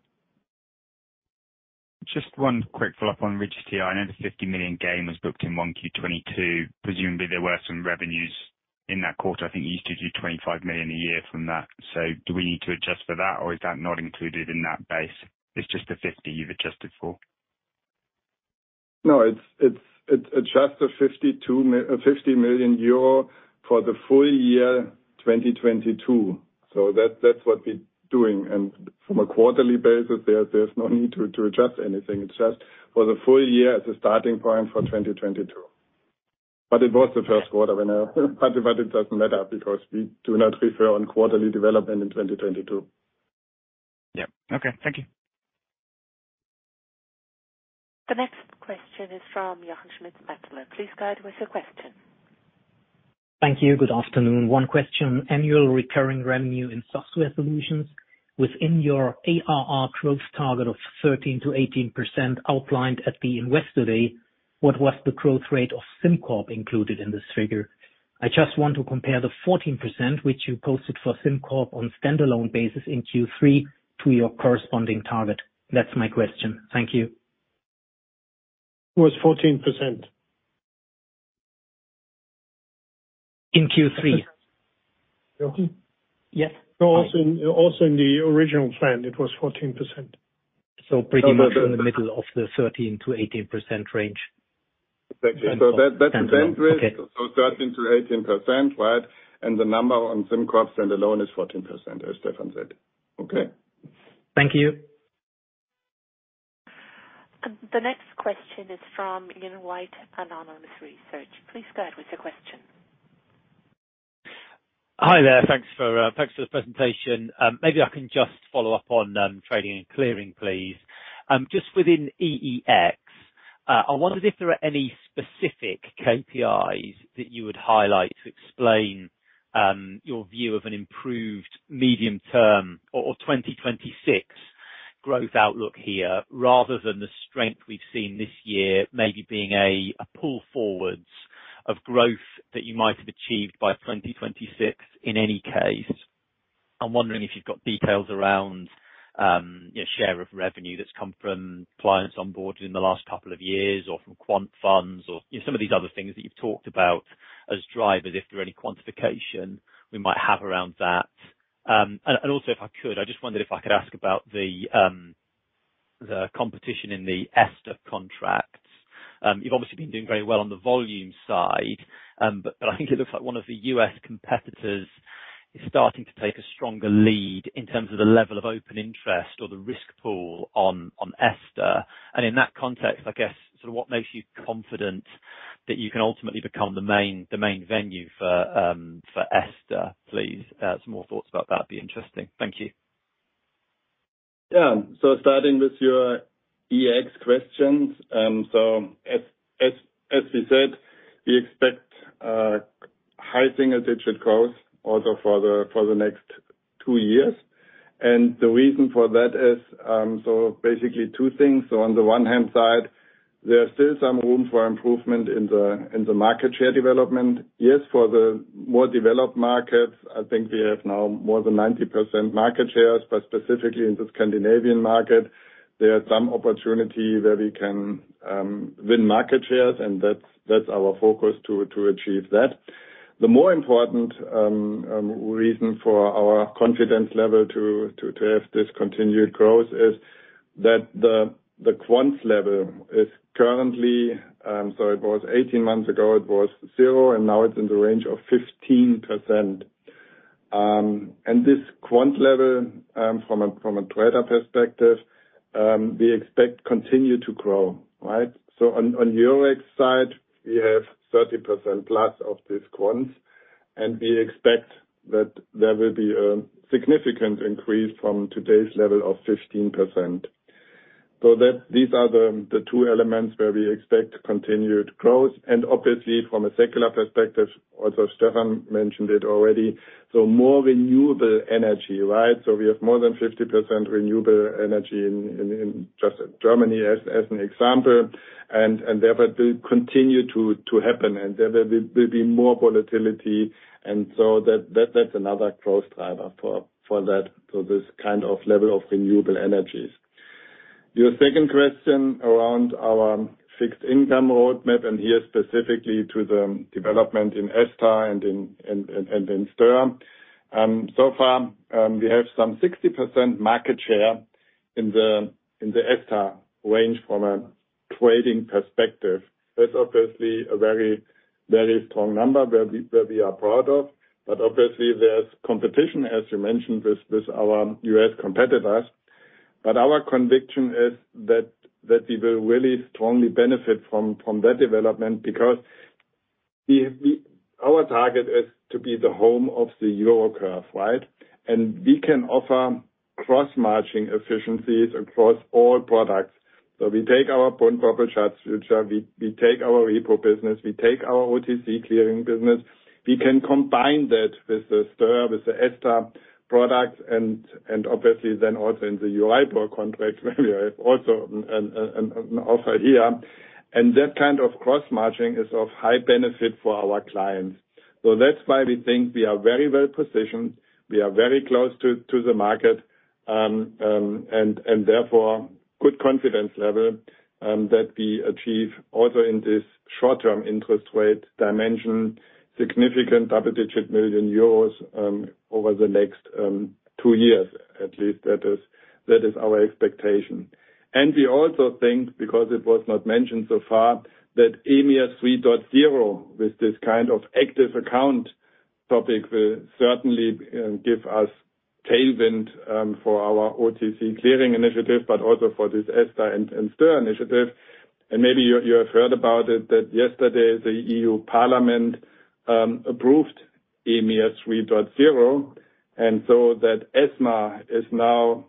Just one quick follow-up on REGIS-TR. I know the 50 million gain was booked in 1Q 2022. Presumably, there were some revenues in that quarter. I think you used to do 25 million a year from that. So do we need to adjust for that, or is that not included in that base? It's just the 50 million you've adjusted for. No, it's adjusted 50 million euro for the full year, 2022. So that's what we're doing. And from a quarterly basis, there's no need to adjust anything. It's just for the full year as a starting point for 2022. But it was the first quarter winner. But it doesn't matter, because we do not refer on quarterly development in 2022. Yeah. Okay. Thank you. The next question is from Jochen Schmitt, Metzler. Please go ahead with your question. Thank you. Good afternoon. One question, annual recurring revenue in software solutions within your ARR growth target of 13%-18%, outlined at the Investor Day, what was the growth rate of SimCorp included in this figure? I just want to compare the 14%, which you posted for SimCorp on standalone basis in Q3, to your corresponding target. That's my question. Thank you. It was 14%. In Q3? Jochen? Yes. Also, in the original plan, it was 14%. So pretty much in the middle of the 13%-18% range. Exactly. So that, that's the bandwidth- Okay. 13%-18%, right? And the number on SimCorp stand-alone is 14%, as Stephan said. Okay? Thank you. The next question is from Ian White, Autonomous Research. Please go ahead with your question. Hi there, thanks for, thanks for the presentation. Maybe I can just follow up on, trading and clearing, please. Just within EEX, I wondered if there are any specific KPIs that you would highlight to explain, your view of an improved medium term or twenty twenty-six growth outlook here, rather than the strength we've seen this year, maybe being a pull forwards of growth that you might have achieved by twenty twenty-six in any case? I'm wondering if you've got details around, you know, share of revenue that's come from clients onboarded in the last couple of years, or from quant funds, or, you know, some of these other things that you've talked about as drivers, if there are any quantification we might have around that. And also, if I could, I just wondered if I could ask about the competition in €STR contracts. You've obviously been doing very well on the volume side, but I think it looks like one of the U.S. competitors is starting to take a stronger lead in terms of the level of open interest or the risk pool €STR. and in that context, I guess, so what makes you confident that you can ultimately become the main venue €STR, please? Some more thoughts about that'd be interesting. Thank you. Yeah. So starting with your EEX questions, so as we said, we expect high single digit growth also for the next two years. And the reason for that is, so basically two things. So on the one hand side, there are still some room for improvement in the market share development. Yes, for the more developed markets, I think we have now more than 90% market shares, but specifically in the Scandinavian market, there are some opportunity where we can win market shares, and that's our focus to achieve that. The more important reason for our confidence level to have this continued growth is that the quants level is currently, so it was eighteen months ago, it was zero, and now it's in the range of 15%. And this quant level, from a trader perspective, we expect continue to grow, right? So on Eurex side, we have 30% plus of this quants, and we expect that there will be a significant increase from today's level of 15%. So that these are the two elements where we expect continued growth. And obviously from a secular perspective, also Stephan mentioned it already, so more renewable energy, right? So we have more than 50% renewable energy in just Germany as an example, and therefore will continue to happen, and there will be more volatility, and so that's another growth driver for that kind of level of renewable energies. Your second question around our fixed income roadmap, and here, specifically to the development in €STR and in STIR. So far, we have some 60% market share in the €STR range from a trading perspective. That's obviously a very, very strong number where we are proud of, but obviously, there's competition, as you mentioned, with our U.S. competitors. But our conviction is that we will really strongly benefit from that development, because our target is to be the home of the euro curve, right? And we can offer cross-matching efficiencies across all products. We take our proprietary products, which are. We take our repo business, we take our OTC clearing business, we can combine that with the STIR, with €STR products, and obviously then also in the EEX power contract, where we have also an offer here. And that kind of cross-matching is of high benefit for our clients. That's why we think we are very well positioned. We are very close to the market, and therefore, good confidence level that we achieve also in this short-term interest rate dimension, significant double-digit million euros over the next two years, at least. That is our expectation. We also think, because it was not mentioned so far, that EMIR 3.0, with this kind of active account topic, will certainly give us tailwind for our OTC clearing initiative, but also for €STR and STIR initiative. Maybe you have heard about it, that yesterday, the European Parliament approved EMIR 3.0, and so that ESMA is now...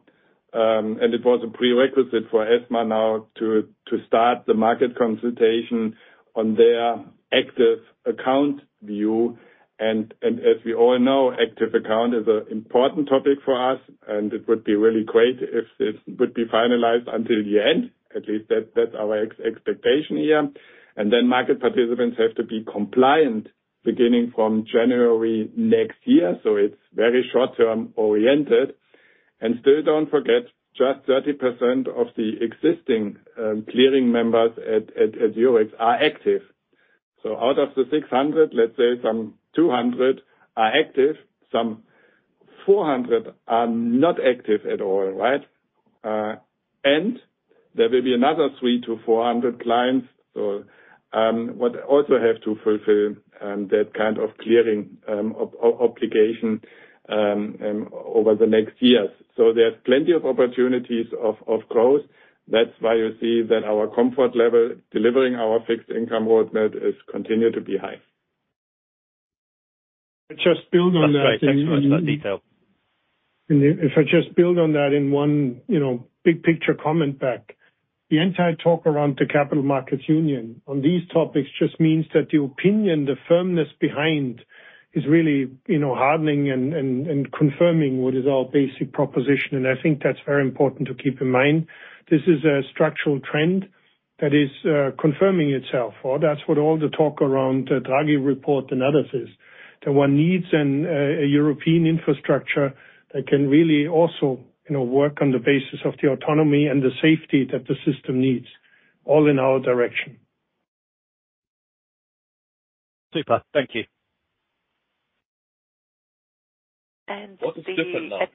It was a prerequisite for ESMA now to start the market consultation on their active account view. As we all know, active account is an important topic for us, and it would be really great if this would be finalized until the end. At least that, that's our expectation here. Market participants have to be compliant beginning from January next year, so it's very short-term oriented. Still don't forget, just 30% of the existing clearing members at Eurex are active. So out of the 600 clients, let's say some 200 clients are active, some 400 clients are not active at all, right? And there will be another 300 clients-400 clients, so what also have to fulfill that kind of clearing obligation over the next years. So there are plenty of opportunities of growth. That's why you see that our comfort level delivering our fixed income roadmap is continued to be high. Just build on that- Thanks for that detail. If I just build on that in one, you know, big picture comment back, the entire talk around the Capital Markets Union on these topics just means that the opinion, the firmness behind, is really, you know, hardening and confirming what is our basic proposition. And I think that's very important to keep in mind. This is a structural trend that is confirming itself, or that's what all the talk around the Draghi report and others is. That one needs an a European infrastructure that can really also, you know, work on the basis of the autonomy and the safety that the system needs, all in our direction. Super. Thank you. And the- What is different now?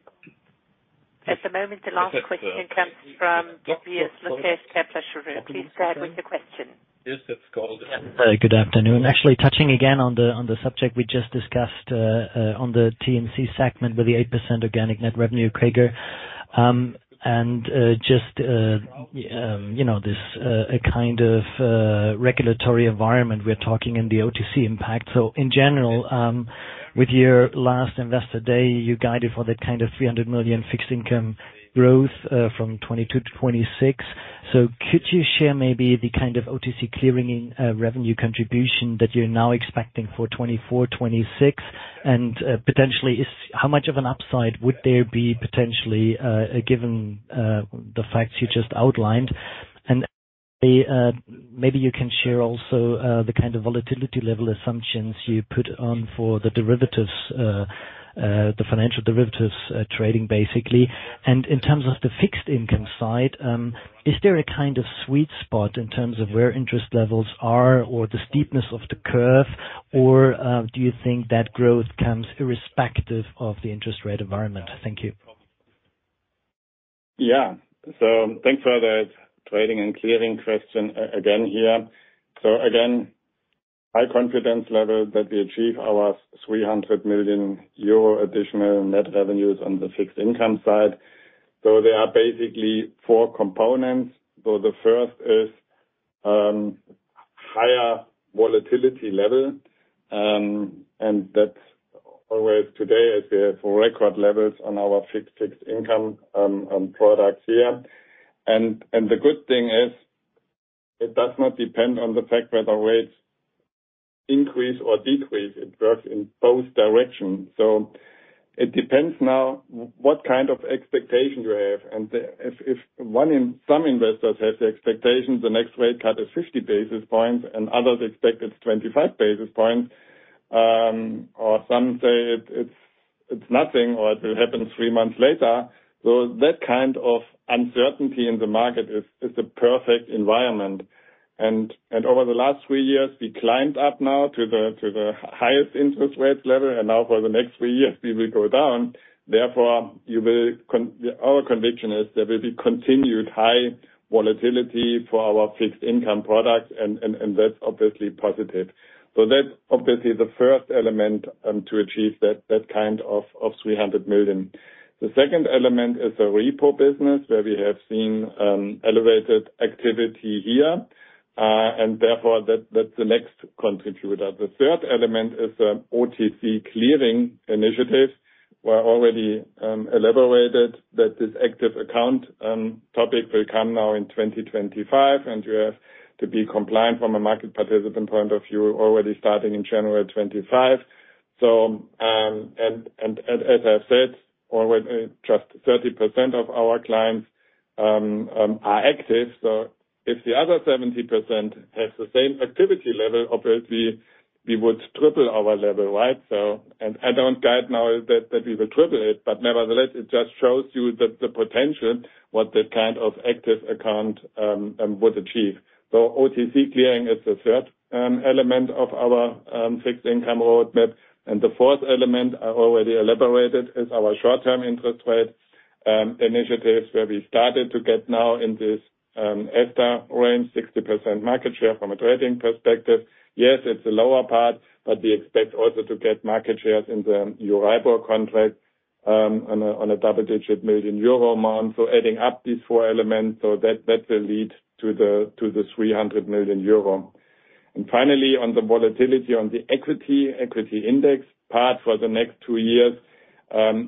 At the moment, the last question comes from Tobias Lukesch. Please go ahead with the question. Hi, good afternoon. Actually, touching again on the subject we just discussed on the T&C segment with the 8% organic net revenue, Gregor. And just, you know, this a kind of regulatory environment we're talking in the OTC impact. So in general, with your last investor day, you guided for that kind of 300 million fixed income growth from 2022 to 2026. So could you share maybe the kind of OTC clearing revenue contribution that you're now expecting for 2024, 2026? And potentially, is how much of an upside would there be potentially given the facts you just outlined? And maybe you can share also the kind of volatility level assumptions you put on for the derivatives, the financial derivatives trading, basically. In terms of the fixed income side, is there a kind of sweet spot in terms of where interest levels are or the steepness of the curve? Or, do you think that growth comes irrespective of the interest rate environment? Thank you. Yeah. So thanks for the trading and clearing question again here. So again, high confidence level that we achieve our 300 million euro additional net revenues on the fixed income side. So there are basically four components. So the first is higher volatility level, and that's always today, is the record levels on our fixed income products here. And the good thing is, it does not depend on the fact whether rates increase or decrease. It works in both directions. So it depends now what kind of expectation you have, and if some investors have the expectations, the next rate cut is 50 basis points, and others expect it's 25 basis points, or some say it's nothing or it will happen three months later. So that kind of uncertainty in the market is the perfect environment. And over the last three years, we climbed up now to the highest interest rates level, and now for the next three years, we will go down. Therefore, our conviction is there will be continued high volatility for our fixed income products, and that's obviously positive. So that's obviously the first element to achieve that kind of 300 million. The second element is the repo business, where we have seen elevated activity here, and therefore, that's the next contributor. The third element is OTC clearing initiative, where already elaborated that this active account topic will come now in 2025, and you have to be compliant from a market participant point of view already starting in January 2025. As I said, with just 30% of our clients are active. If the other 70% has the same activity level, obviously we would triple our level, right? I don't guide now that we will triple it, but nevertheless, it just shows you that the potential what that kind of active account would achieve. OTC clearing is the third element of our fixed income roadmap. The fourth element I already elaborated is our short-term interest rates initiatives, where we started to get now in €STR range 60% market share from a trading perspective. Yes, it's a lower part, but we expect also to get market shares in €STR futures contract on a double-digit million EUR amount. So adding up these four elements, that will lead to the 300 million euro. And finally, on the volatility on the equity index part for the next two years,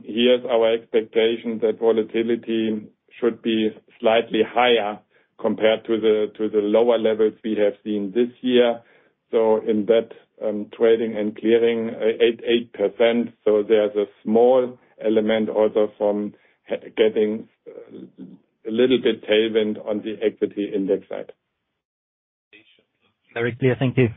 here's our expectation that volatility should be slightly higher compared to the lower levels we have seen this year. So in that, trading and clearing, 8%, so there's a small element also from getting a little bit tailwind on the equity index side. Very clear. Thank you.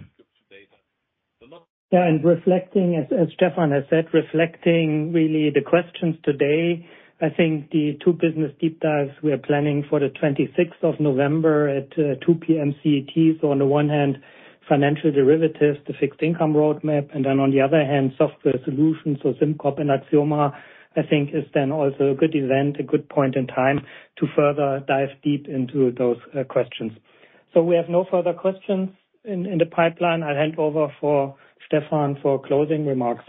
Yeah, and reflecting, as Stephan has said, reflecting really the questions today, I think the two business deep dives we are planning for the twenty-sixth of November at 2:00 P.M. CET. So on the one hand, financial derivatives, the fixed income roadmap, and then on the other hand, software solutions, so SimCorp and Axioma, I think is then also a good event, a good point in time to further dive deep into those questions. So we have no further questions in the pipeline. I'll hand over for Stephan for closing remarks.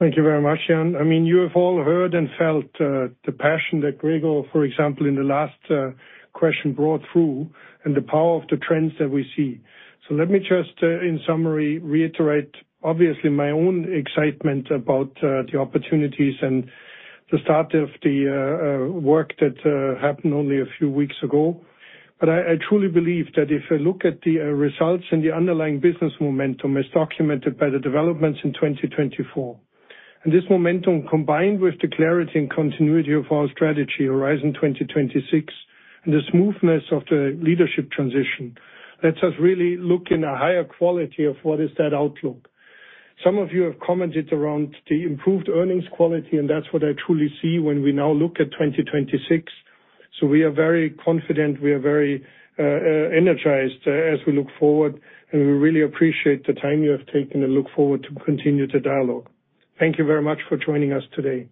Thank you very much, Jan. I mean, you have all heard and felt the passion that Gregor, for example, in the last question, brought through, and the power of the trends that we see. So let me just in summary reiterate, obviously, my own excitement about the opportunities and the start of the work that happened only a few weeks ago. But I truly believe that if I look at the results and the underlying business momentum as documented by the developments in 2024, and this momentum, combined with the clarity and continuity of our strategy, Horizon 2026, and the smoothness of the leadership transition, lets us really look in a higher quality of what is that outlook. Some of you have commented around the improved earnings quality, and that's what I truly see when we now look at 2026, so we are very confident, we are very energized, as we look forward, and we really appreciate the time you have taken and look forward to continue the dialogue. Thank you very much for joining us today.